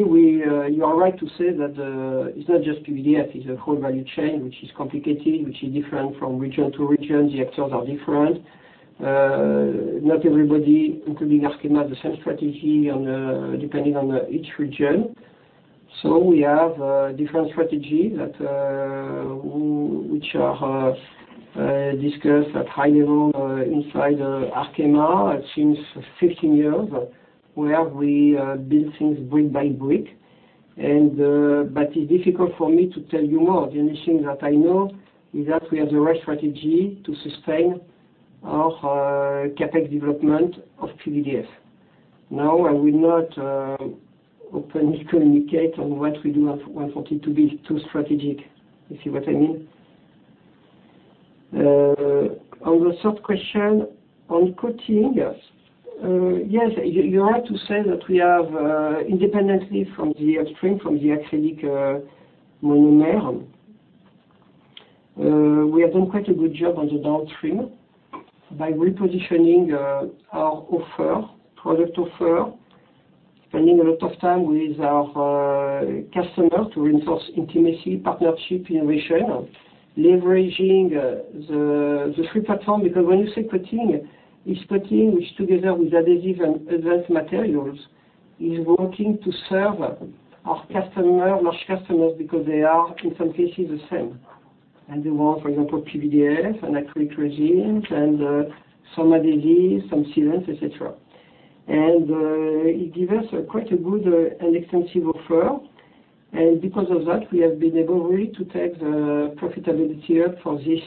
you are right to say that it's not just PVDF, it's a whole value chain, which is complicated, which is different from region to region. The actors are different. Not everybody, including Arkema, [has] the same strategy, depending on each region. We have different strategies that are discussed at high level inside Arkema since 15 years, where we build things brick by brick. It's difficult for me to tell you more. The only thing that I know is that we have the right strategy to sustain our CapEx development of PVDF. No, I will not openly communicate on what we do at 142b, too strategic. You see what I mean? On the sub-question on coatings, yes. You're right to say that we have, independently from the upstream, from the acrylic monomer, we have done quite a good job on the downstream by repositioning our offer, product offer, spending a lot of time with our customer to reinforce intimacy, partnership, innovation, leveraging the three platform. Because when you say coating, it's coating which together with adhesive and advanced materials is working to serve our customer, large customers, because they are in some cases the same. They want, for example, PVDF and acrylic resins and some adhesive, some sealants, et cetera. It gives us a quite good and extensive offer. Because of that, we have been able really to take the profitability up for this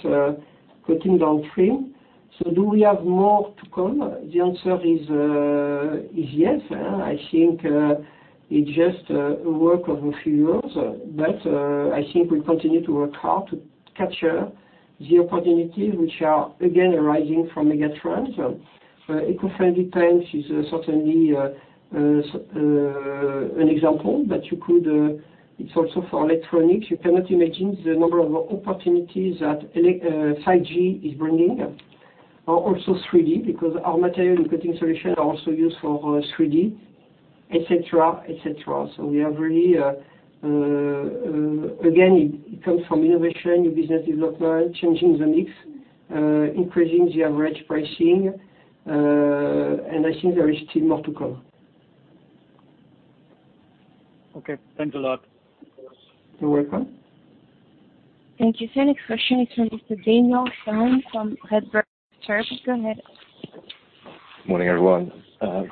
coating downstream. Do we have more to come? The answer is yes. I think it's just a work of a few years. I think we continue to work hard to capture the opportunities which are again arising from megatrends. Eco-friendly trends is certainly an example, but you could. It's also for electronics. You cannot imagine the number of opportunities that 5G is bringing. Also 3D because our material and cutting solutions are also used for 3D, et cetera, et cetera. We have really again, it comes from innovation, new business development, changing the mix, increasing the average pricing, and I think there is still more to come. Okay, thanks a lot. You're welcome. Thank you. The next question is from Mr. Daniel Fereday from Redburn. Sir, please go ahead. Morning, everyone.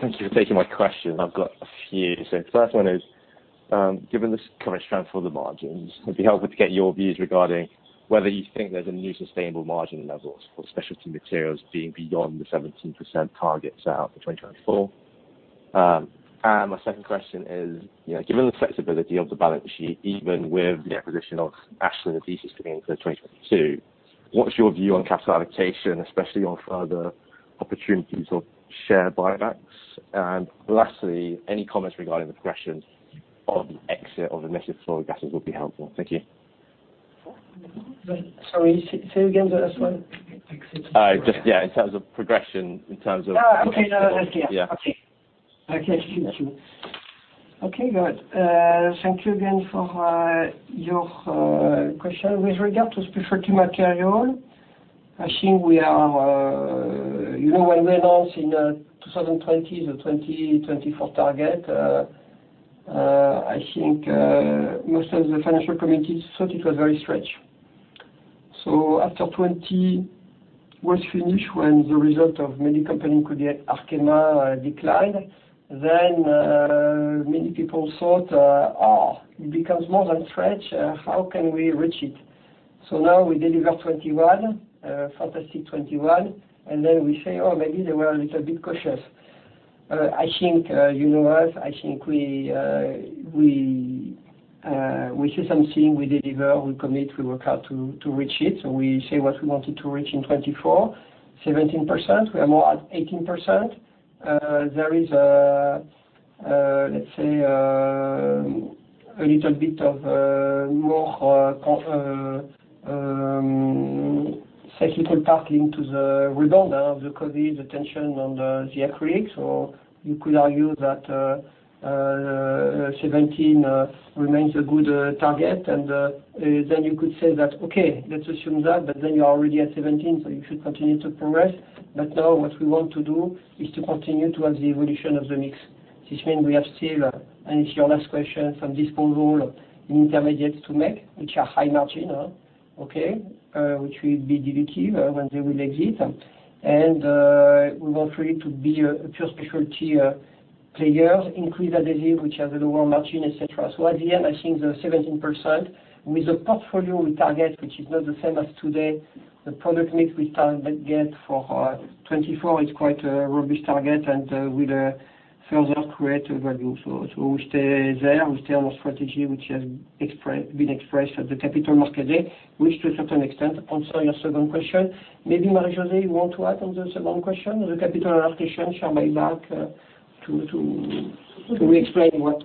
Thank you for taking my question. I've got a few. The first one is, given the current strength of the margins, it'd be helpful to get your views regarding whether you think there's a new sustainable margin levels for Specialty Materials being beyond the 17% target set out for 2024. And my second question is, you know, given the flexibility of the balance sheet, even with the acquisition of Ashland Adhesives coming in for 2022, what's your view on capital allocation, especially on further opportunities of share buybacks? Lastly, any comments regarding the progression of the exit of the HFC fluorogases would be helpful. Thank you. Sorry, say again the last one. Just, yeah, in terms of progression. Okay. Now that I hear. Yeah. Thank you again for your question. With regard to Specialty Materials, I think we are. You know, when we announced in 2020 the 2024 target, I think most of the financial community thought it was very stretch. After 2020 was finished, when the result of many companies including Arkema declined, many people thought, oh, it becomes more than stretch. How can we reach it? Now we deliver 2021, fantastic 2021, and then we say, "Oh, maybe they were a little bit cautious." I think you know us. I think we say something, we deliver, we commit, we work hard to reach it. We say what we wanted to reach in 2024, 17%. We are more at 18%. There is, let's say, a little bit of more cyclical part linked to the rebound of the COVID, the tension on the acrylics. You could argue that 17 remains a good target. Then you could say that, "Okay, let's assume that," but then you are already at 17, so you should continue to progress. Now what we want to do is to continue towards the evolution of the mix. This means we have still, and it's your last question, some disposal in intermediates to make, which are high margin, okay, which will be dilutive when they will exit. We want really to be a pure specialty player, increase adhesive, which has a lower margin, et cetera. At the end, I think the 17% with the portfolio we target, which is not the same as today, the product mix we target for 2024 is quite a robust target and will further create value. We stay there. We stay on our strategy, which has been expressed at the Capital Markets Day, which to a certain extent answer your second question. Maybe Marie-José, you want to add on the second question, the capital allocation share buyback, to explain what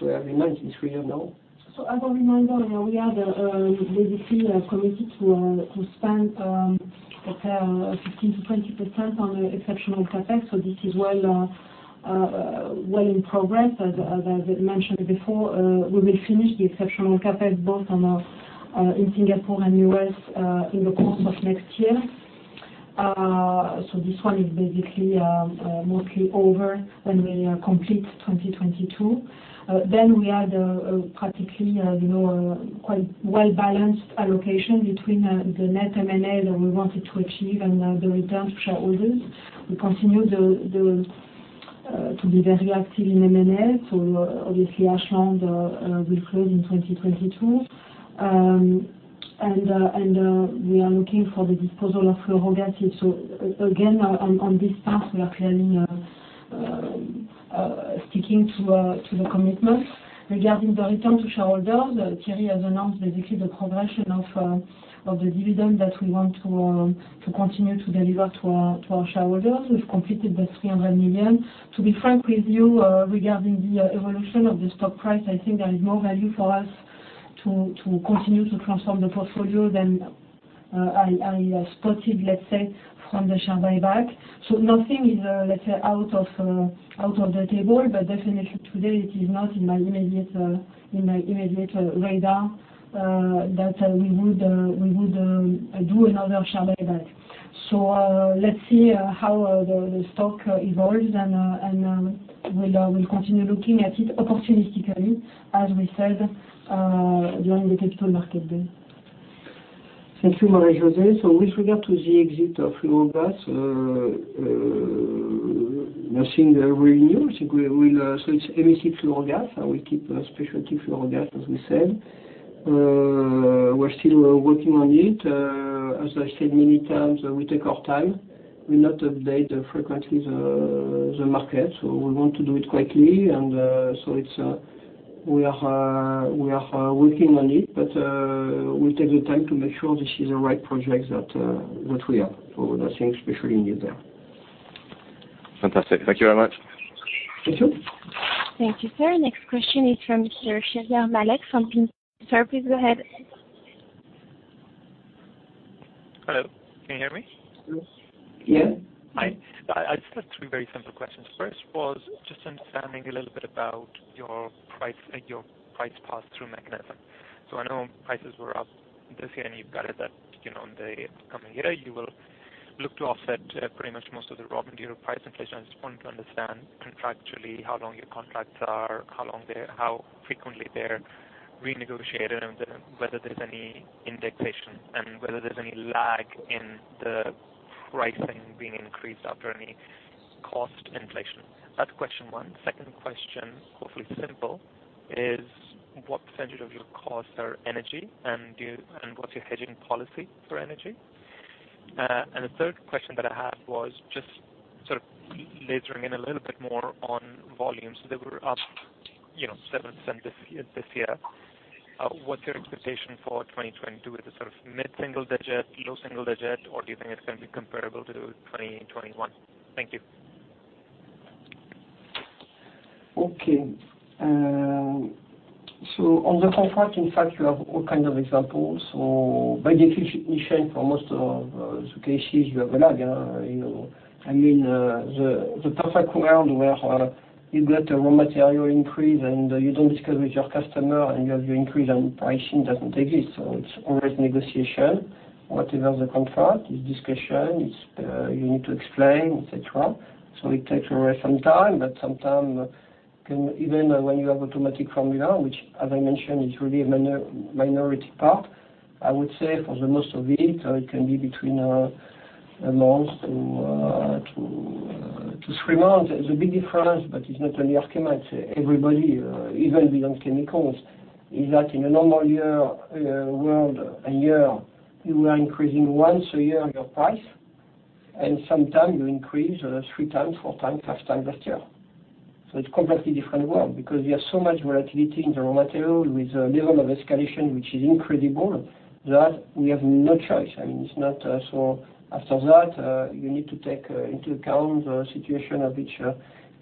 we have in mind this year now. As a reminder, you know, we have basically committed to spend, let's say, 15%-20% on the exceptional CapEx. This is well in progress. As I mentioned before, we will finish the exceptional CapEx both on our sites in Singapore and U.S. in the course of next year. This one is basically mostly over when we complete 2022. Then we had practically, you know, a quite well-balanced allocation between the net M&A that we wanted to achieve and the return to shareholders. We continue to be very active in M&A. Obviously Ashland will close in 2022. And we are looking for the disposal of fluorogases. On this part, we are clearly sticking to the commitments. Regarding the return to shareholders, Thierry has announced basically the progression of the dividend that we want to continue to deliver to our shareholders. We've completed 300 million. To be frank with you, regarding the evolution of the stock price, I think there is more value for us to continue to transform the portfolio than I spotted, let's say, from the share buyback. Nothing is, let's say, out of the table. Definitely today it is not in my immediate radar that we would do another share buyback. Let's see how the stock evolves, and we'll continue looking at it opportunistically, as we said, during the Capital Markets Day. Thank you, Marie-José. With regard to the exit of fluorogases, nothing really new. It's HFC fluorogases, and we keep specialty fluorogases, as we said. We're still working on it. As I said many times, we take our time. We do not update frequently the market, so we want to do it quickly. We are working on it, but we take the time to make sure this is the right project that we have. Nothing especially new there. Fantastic. Thank you very much. Thank you. Thank you, sir. Next question is from Sir Xavier MONNE from Bank of America. Sir, please go ahead. Hello. Can you hear me? Yes. Hi. I just have three very simple questions. First was just understanding a little bit about your price, your price pass-through mechanism. So I know prices were up this year, and you've guided that, you know, in the coming year you will look to offset pretty much most of the raw material price inflation. I just wanted to understand contractually how long your contracts are, how frequently they're renegotiated, and whether there's any indexation and whether there's any lag in the pricing being increased after any cost inflation. That's question one. Second question, hopefully simple, is what percentage of your costs are energy, and what's your hedging policy for energy? And the third question that I had was just sort of laser-ing in a little bit more on volumes. They were up, you know, 7% this year. What's your expectation for 2022? Is it sort of mid-single-digit, low single-digit, or do you think it's going to be comparable to 2021? Thank you. Okay. On the contract, in fact, you have all kinds of examples. By definition, for most of the cases, you have a lag, you know. I mean, the perfect world where you get a raw material increase and you don't discuss with your customer and you have your increase on pricing doesn't exist, so it's always negotiation. Whatever the contract is, it's discussion. You need to explain, et cetera. It takes away some time, but sometimes can even when you have automatic formula, which as I mentioned, is really a minor minority part, I would say for most of it can be between a month to three months. The big difference, but it's not only Arkema, it's everybody, even beyond chemicals, is that in a normal year, world and year, you are increasing once a year your price, and sometimes you increase three times, four times, five times a year. It's completely different world because we have so much volatility in the raw material with a level of escalation which is incredible, that we have no choice. After that, you need to take into account the situation of each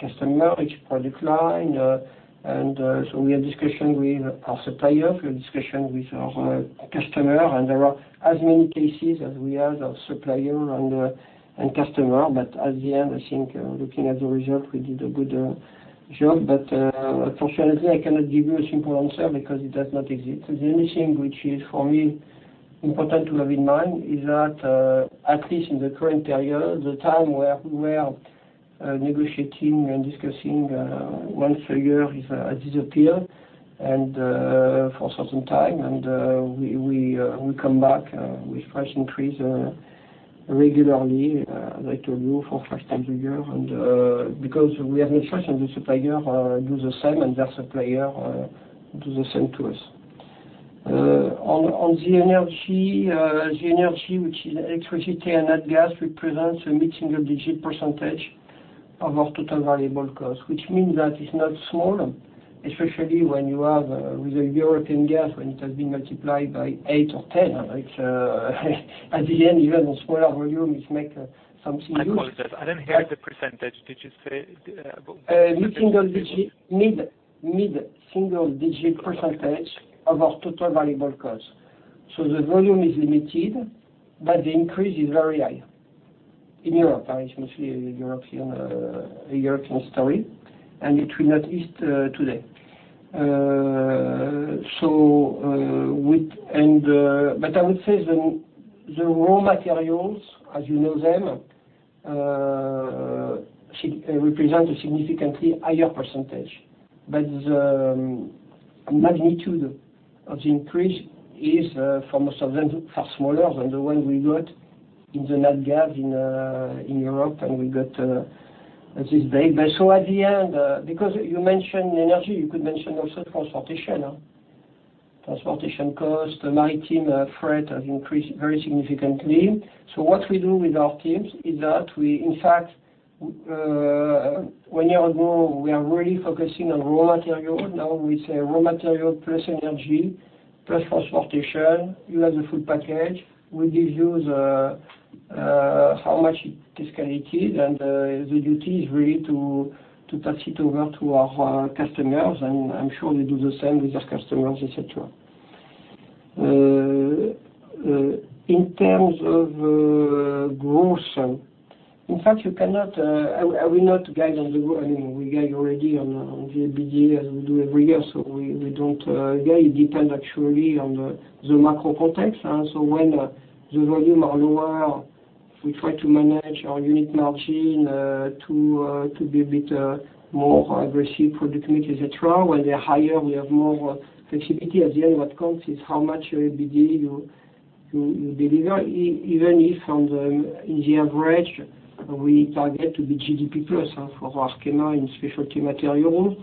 customer, each product line. We have discussion with our supplier, we have discussion with our customer, and there are as many cases as we have of supplier and customer. At the end, I think, looking at the result, we did a good job. Unfortunately, I cannot give you a simple answer because it does not exist. The only thing which is for me important to have in mind is that, at least in the current period, the time where we are, negotiating and discussing, once a year is, disappear and, for certain time, and, we come back, with price increase, regularly, like, you know, for five times a year. Because we have no choice and the supplier do the same and their supplier do the same to us. On the energy, which is electricity and nat gas, represents a mid-single-digit % of our total variable cost, which means that it's not small, especially when you have with the European gas, when it has been multiplied by eight or ten, it's at the end even a smaller volume, it make something huge. I followed that. I didn't hear the percentage. Did you say? Mid-single-digit% of our total variable cost. The volume is limited, but the increase is very high in Europe. It's mostly a European story, and it will not ease today. I would say the raw materials, as you know them, represent a significantly higher percentage. The magnitude of the increase is, for most of them, far smaller than the one we got in the nat gas in Europe, and we got today. At the end, because you mentioned energy, you could mention also transportation. Transportation cost, maritime freight has increased very significantly. What we do with our teams is that, in fact, one year ago, we are really focusing on raw material. Now we say raw material plus energy plus transportation. You have the full package. We give you the how much it is connected, and the duty is really to pass it over to our customers, and I'm sure they do the same with their customers, et cetera. In terms of growth, in fact you cannot. I will not guide on the growth. I mean, we guide already on the EBITDA as we do every year. We don't guide. It depend actually on the macro context. When the volumes are lower, we try to manage our unit margin to be a bit more aggressive for the commodity, et cetera. When they're higher, we have more flexibility. At the end, what counts is how much your EBITDA you deliver, in the average, we target to be GDP plus, for Arkema in Specialty Materials.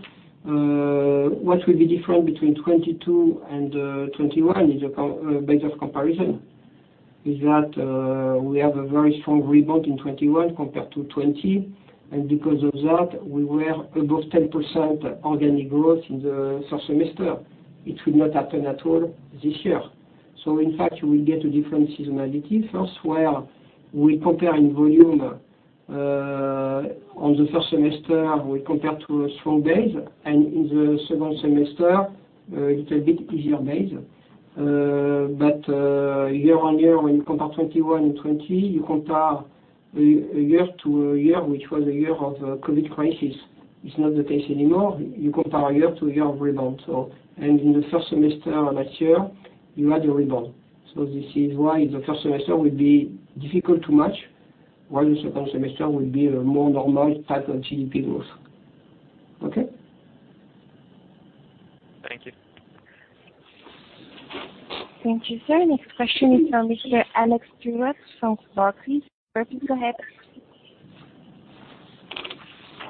What will be different between 2022 and 2021 is a better comparison, that we have a very strong rebound in 2021 compared to 2020, and because of that, we were above 10% organic growth in the first semester. It will not happen at all this year. In fact, you will get a different seasonality first, where we compare in volume, on the first semester, we compare to a strong base, and in the second semester, a little bit easier base. Year-on-year, when you compare 2021 and 2020, you compare a year to a year, which was a year of COVID crisis. It's not the case anymore. You compare year to year of rebound. In the first semester last year, you had a rebound. This is why the first semester will be difficult to match, while the second semester will be a more normal type of GDP growth. Okay? Thank you. Thank you, sir. Next question is from Mr. Alex Stewart from Barclays. Please go ahead.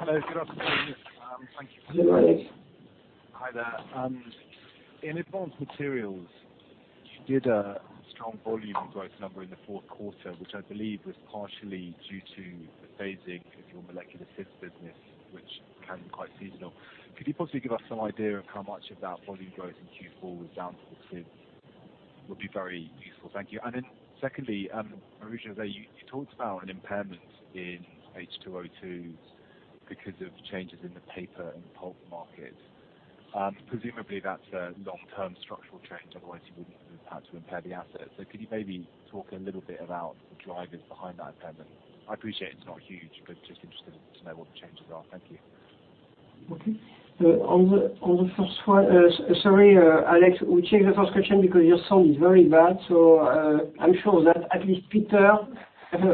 Hello, good afternoon. Thank you for- Hello. Hi there. In Advanced Materials, you did a strong volume growth number in the fourth quarter, which I believe was partially due to the phasing of your molecular sieves business, which can be quite seasonal. Could you possibly give us some idea of how much of that volume growth in Q4 was down to the sieves? That would be very useful. Thank you. Secondly, Marie-Josée, you talked about an impairment in H2O2 because of changes in the paper and pulp market. Presumably that's a long-term structural change, otherwise you wouldn't have had to impair the asset. Could you maybe talk a little bit about the drivers behind that impairment? I appreciate it's not huge, but just interested to know what the changes are. Thank you. Okay. Sorry, Alex, we check the first question because your sound is very bad. I'm sure that at least Peter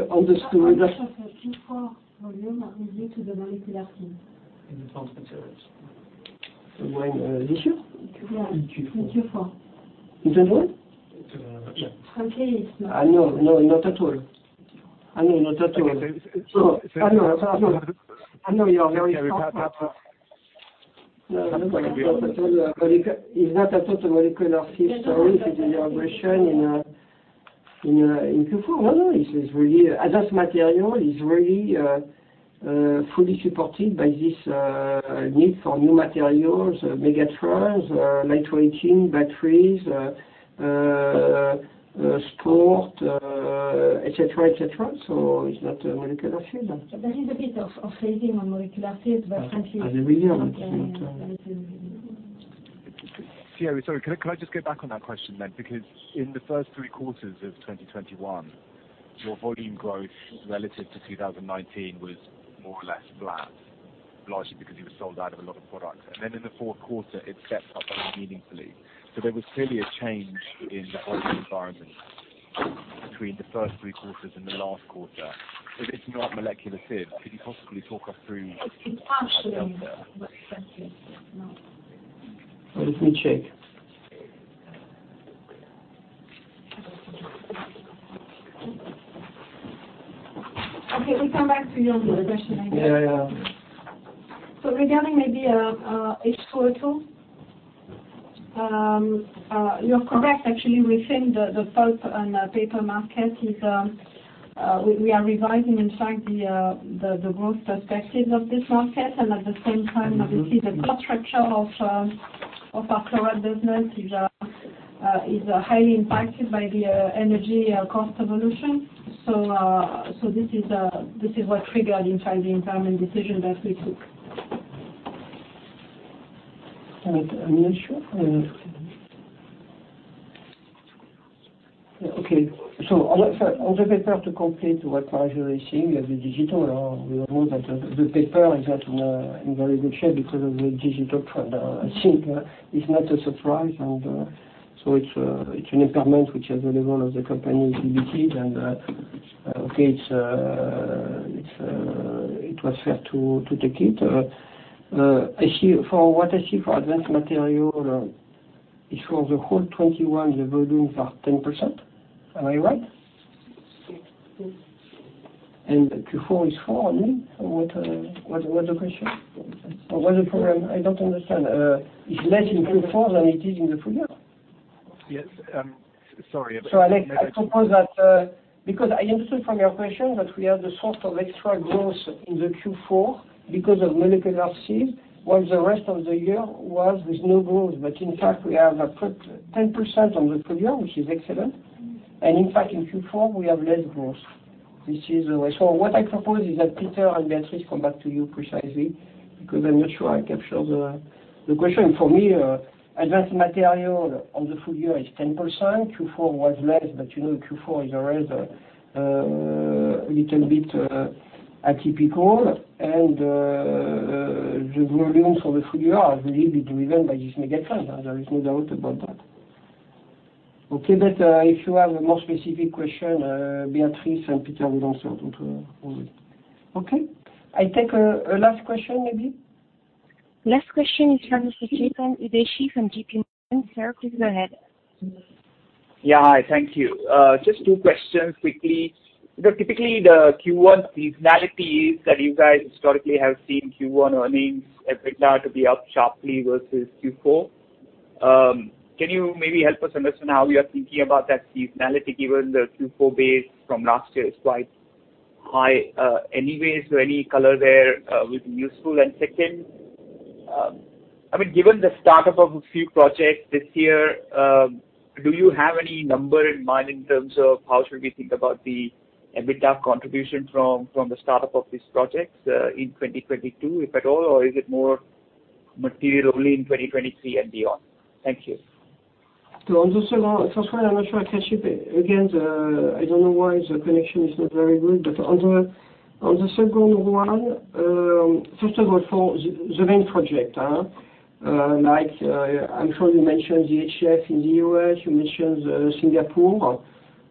understood that. How much of the Q4 volume are related to the molecular sieve? In Advanced Materials. This year? Yeah. In Q4. In Q4. Is that all? It's all I've got. Frankly, it's not. No, no, not at all. No, not at all. Okay. No, no. I know you are very powerful. Yeah, we can't hear. No, not at all. It's not at all the molecular sieve story. It's an aberration in Q4. No, it's really Advanced Materials is really fully supported by this need for new materials, megatrends, miniaturization, batteries, sport, et cetera. It's not a molecular sieve, no. There is a bit of phasing on molecular sieve, but frankly. As every year. Okay. Yeah. Sorry, can I just get back on that question then? Because in the first three quarters of 2021, your volume growth relative to 2019 was more or less flat, largely because you were sold out of a lot of products. In the fourth quarter, it stepped up quite meaningfully. There was clearly a change in the volume environment between the first three quarters and the last quarter. If it's not molecular sieve, could you possibly talk us through? It's partially what affected. No. Let me check. Okay, we come back to you on the question later. Yeah, yeah. Regarding maybe H2O2, you're correct. Actually, we think the pulp and paper market is. We are revising, in fact, the growth perspective of this market. At the same time, obviously, the cost structure of our chlor-alkali business is highly impacted by the energy cost evolution. This is what triggered the impairment decision that we took. I'm not sure. Okay. On the paper, to complete what Alex is saying, we have the digital. We all know that the paper is not in very good shape because of the digital trend. I think it's not a surprise. It's an impairment which at the level of the company is limited and okay, it was fair to take it. For what I see for Advanced Materials is for the whole 2021, the volume is up 10%. Am I right? Yes. Q4 is four only. What's the question? What's the problem? I don't understand. It's less in Q4 than it is in the full- year. Yes. Sorry. Alex, I suppose that, because I understood from your question that we had the sort of extra growth in the Q4 because of molecular sieve, while the rest of the year was with no growth. In fact, we have a 10% on the full- year, which is excellent. In fact, in Q4, we have less growth. This is the way. What I propose is that Peter and Beatrice come back to you precisely, because I'm not sure I capture the question. For me, Advanced Materials on the full- year is 10%. Q4 was less, but you know, Q4 is always a little bit atypical. The volumes for the full- year has really been driven by this megatrend. There is no doubt about that. Okay. If you have a more specific question, Beatrice and Peter will answer it for you. Okay. I take a last question, maybe. Last question is from Mr. Chetan Udeshi from J.P. Morgan. Sir, please go ahead. Thank you. Just two questions quickly. You know, typically, the Q1 seasonality is that you guys historically have seen Q1 earnings EBITDA to be up sharply versus Q4. Can you maybe help us understand how you are thinking about that seasonality, given the Q4 base from last year is quite high, anyway? Any color there will be useful. I mean, given the startup of a few projects this year, do you have any number in mind in terms of how should we think about the EBITDA contribution from the startup of these projects in 2022, if at all, or is it more material only in 2023 and beyond? Thank you. First one, I'm not sure I catch it. Again, I don't know why the connection is not very good. On the second one, first of all, for the main project, I'm sure you mentioned the HF in the U.S., you mentioned Singapore.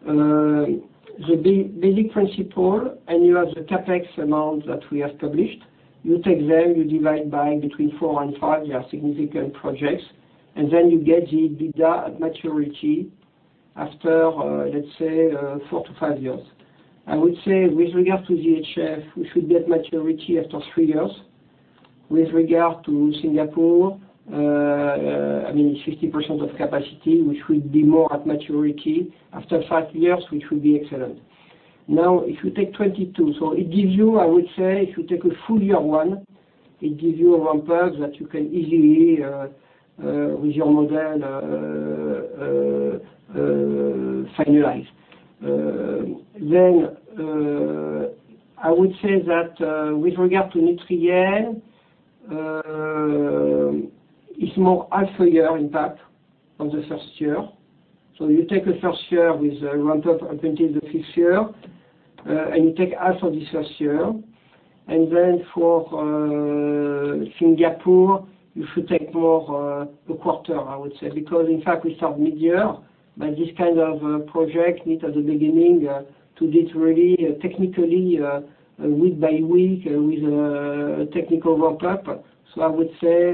The basic principle, and you have the CapEx amount that we established. You take them, you divide by between four and five, they are significant projects, and then you get the EBITDA at maturity after, let's say, four to five years. I would say with regard to the HF, we should be at maturity after three years. With regard to Singapore, I mean, it's 60% of capacity, which will be more at maturity after five years, which will be excellent. Now, if you take 2022, it gives you, I would say, if you take a full -year 1, it gives you a ramp-up that you can easily with your model finalize. Then, I would say that, with regard to Nutrien, it's more half a year impact on the first year. You take the first year with a ramp-up until the fifth year, and you take half of this first year. Then for Singapore, you should take more a quarter, I would say, because in fact, we start midyear, but this kind of project need at the beginning to get really technically week by week with a technical ramp-up. I would say,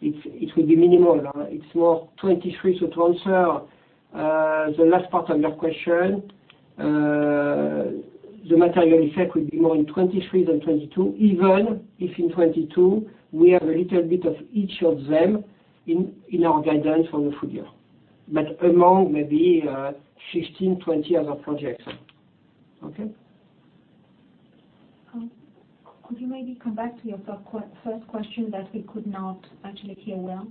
it will be minimal. It's more 2023. To answer the last part of your question, the material effect would be more in 2023 than 2022, even if in 2022 we have a little bit of each of them in our guidance for the full- year. Among maybe 15, 20 other projects. Okay? Could you maybe come back to your first question that we could not actually hear well?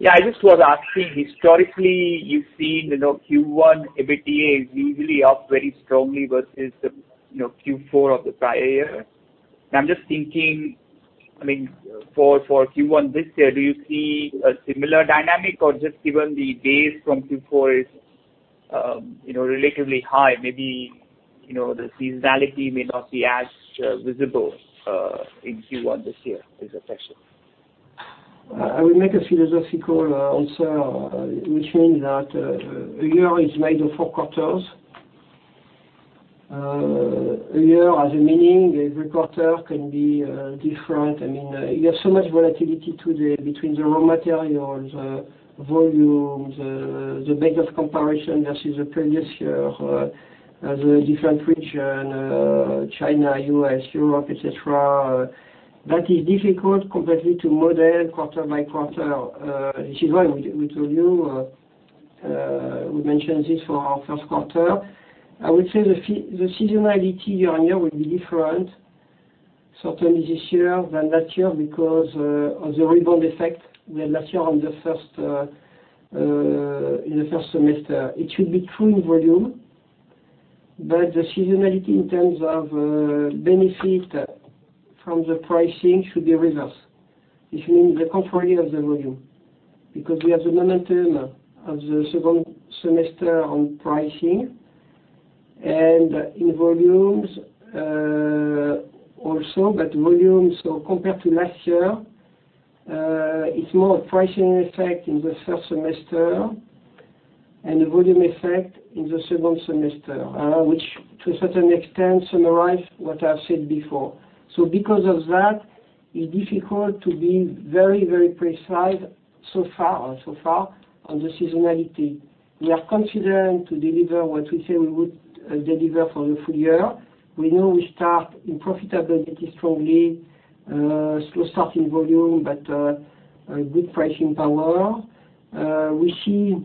Yeah, I just was asking, historically, you've seen, you know, Q1 EBITDA is usually up very strongly versus the, you know, Q4 of the prior year. I'm just thinking, I mean, for Q1 this year, do you see a similar dynamic or just given the base from Q4 is, you know, relatively high, maybe, you know, the seasonality may not be as visible in Q1 this year is the question. I will make a philosophical answer, which means that a year is made of four quarters. A year has a meaning. Every quarter can be different. I mean, you have so much volatility today between the raw materials, volumes, the base of comparison versus the previous year, the different region, China, U.S., Europe, et cetera. That is difficult completely to model quarter by quarter. This is why we told you, we mentioned this for our first quarter. I would say the seasonality year-over-year will be different certainly this year than last year because of the rebound effect we had last year on the first, in the first semester. It should be true in volume, but the seasonality in terms of benefit from the pricing should be reverse, which means the contrary of the volume because we have the momentum of the second semester on pricing and in volumes, also. Volumes, compared to last year, it's more a pricing effect in the first semester and a volume effect in the second semester, which to a certain extent summarize what I've said before. Because of that, it's difficult to be very, very precise so far, so far on the seasonality. We are considering to deliver what we say we would deliver for the full- year. We know we start in profitability strongly, slow start in volume, but a good pricing power. We see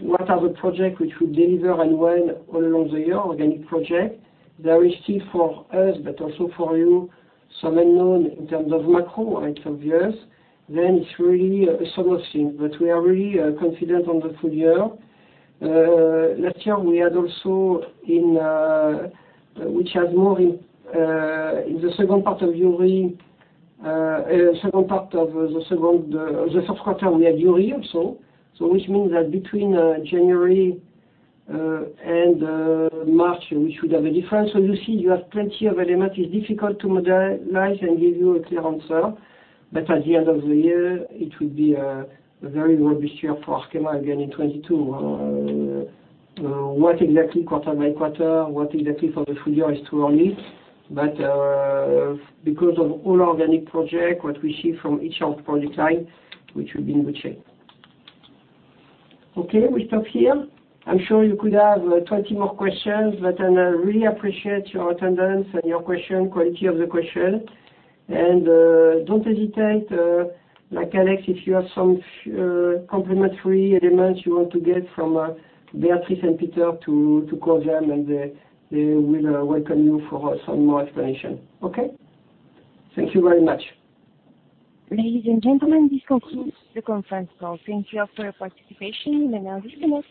what are the project which will deliver and when all along the year, organic project. There is still for us, but also for you, some unknowns in terms of macro, it's obvious. It's really a seasonal thing, but we are really confident on the full- year. Last year we had Uri also, which had more impact in the second part of the first quarter. Which means that between January and March we should have a difference. You see you have plenty of elements. It's difficult to model and give you a clear answer. At the end of the year, it will be a very robust year for Arkema again in 2022. What exactly quarter by quarter for the full- year is too early. Because of all organic projects, what we see from each product line, which will be in good shape. Okay, we stop here. I'm sure you could have 20 more questions, but I really appreciate your attendance and the quality of your questions. Don't hesitate, like Alex, if you have some complementary elements you want to get from Beatrice and Peter to call them, and they will welcome you for some more explanation. Okay. Thank you very much. Ladies and gentlemen, this concludes the conference call. Thank you for your participation, and now disconnect.